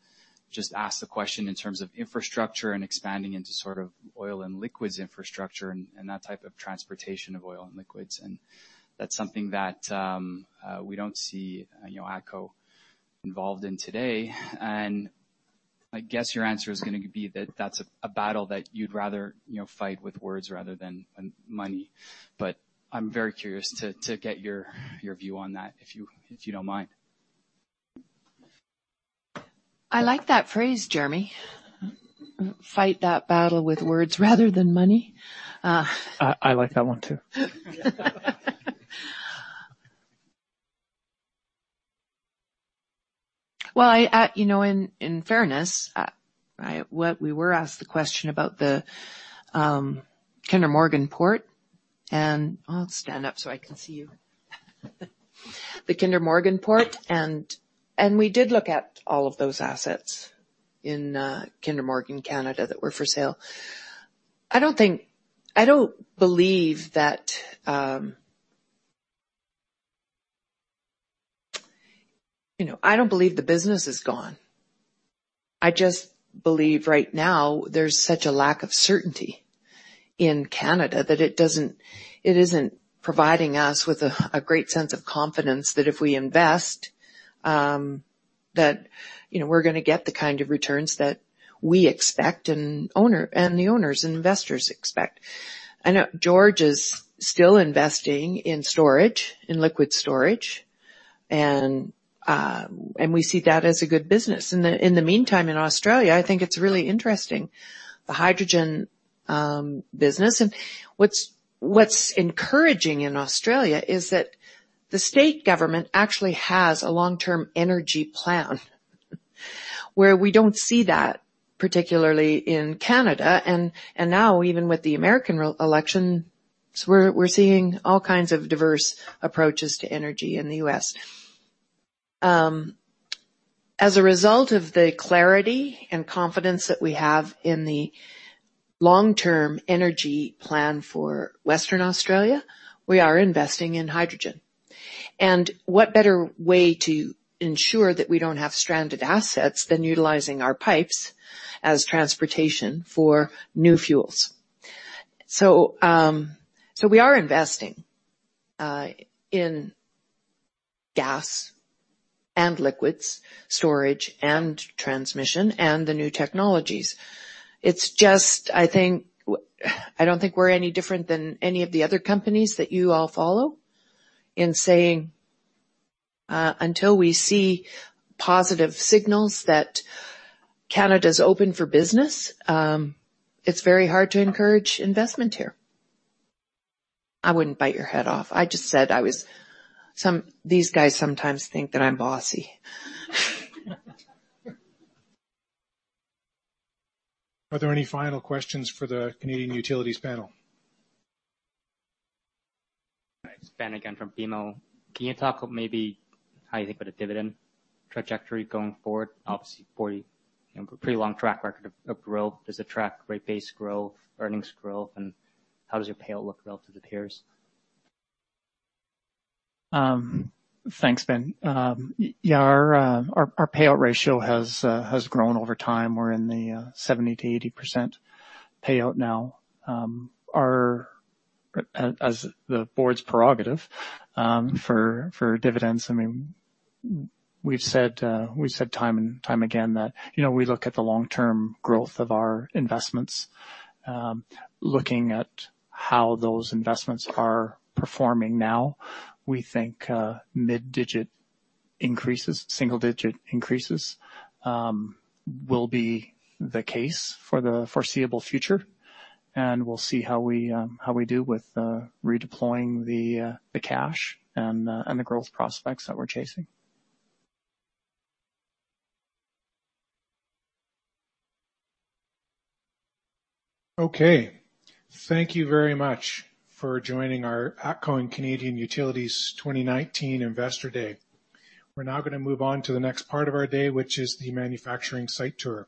just ask the question in terms of infrastructure and expanding into sort of oil and liquids infrastructure and that type of transportation of oil and liquids. That's something that we don't see ATCO involved in today. I guess your answer is going to be that that's a battle that you'd rather fight with words rather than money. I'm very curious to get your view on that, if you don't mind. I like that phrase, Jeremy. Fight that battle with words rather than money. I like that one, too. Well, in fairness, we were asked the question about the Kinder Morgan port and I'll stand up so I can see you. The Kinder Morgan port. We did look at all of those assets in Kinder Morgan Canada that were for sale. I don't believe the business is gone. I just believe right now there's such a lack of certainty in Canada that it isn't providing us with a great sense of confidence that if we invest that we're going to get the kind of returns that we expect and the owners and investors expect. I know George is still investing in storage, in liquid storage. We see that as a good business. In the meantime, in Australia, I think it's really interesting, the hydrogen business. What's encouraging in Australia is that the state government actually has a long-term energy plan where we don't see that, particularly in Canada and now even with the American election, we're seeing all kinds of diverse approaches to energy in the U.S. As a result of the clarity and confidence that we have in the long-term energy plan for Western Australia, we are investing in hydrogen. What better way to ensure that we don't have stranded assets than utilizing our pipes as transportation for new fuels? We are investing in gas and liquids storage and transmission and the new technologies. It's just, I don't think we're any different than any of the other companies that you all follow in saying, until we see positive signals that Canada's open for business, it's very hard to encourage investment here. I wouldn't bite your head off. I just said These guys sometimes think that I'm bossy. Are there any final questions for the Canadian Utilities panel? It's Ben again from BMO. Can you talk maybe how you think about a dividend trajectory going forward? Obviously, for you, a pretty long track record of growth. Does it track rate base growth, earnings growth, and how does your payout look relative to peers? Thanks, Ben. Yeah, our payout ratio has grown over time. We're in the 70%-80% payout now. As the board's prerogative for dividends, we've said time and time again that we look at the long-term growth of our investments. Looking at how those investments are performing now, we think mid-digit increases, single-digit increases, will be the case for the foreseeable future, and we'll see how we do with redeploying the cash and the growth prospects that we're chasing. Okay. Thank you very much for joining our ATCO and Canadian Utilities 2019 Investor Day. We're now going to move on to the next part of our day, which is the manufacturing site tour.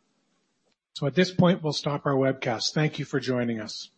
At this point, we'll stop our webcast. Thank you for joining us.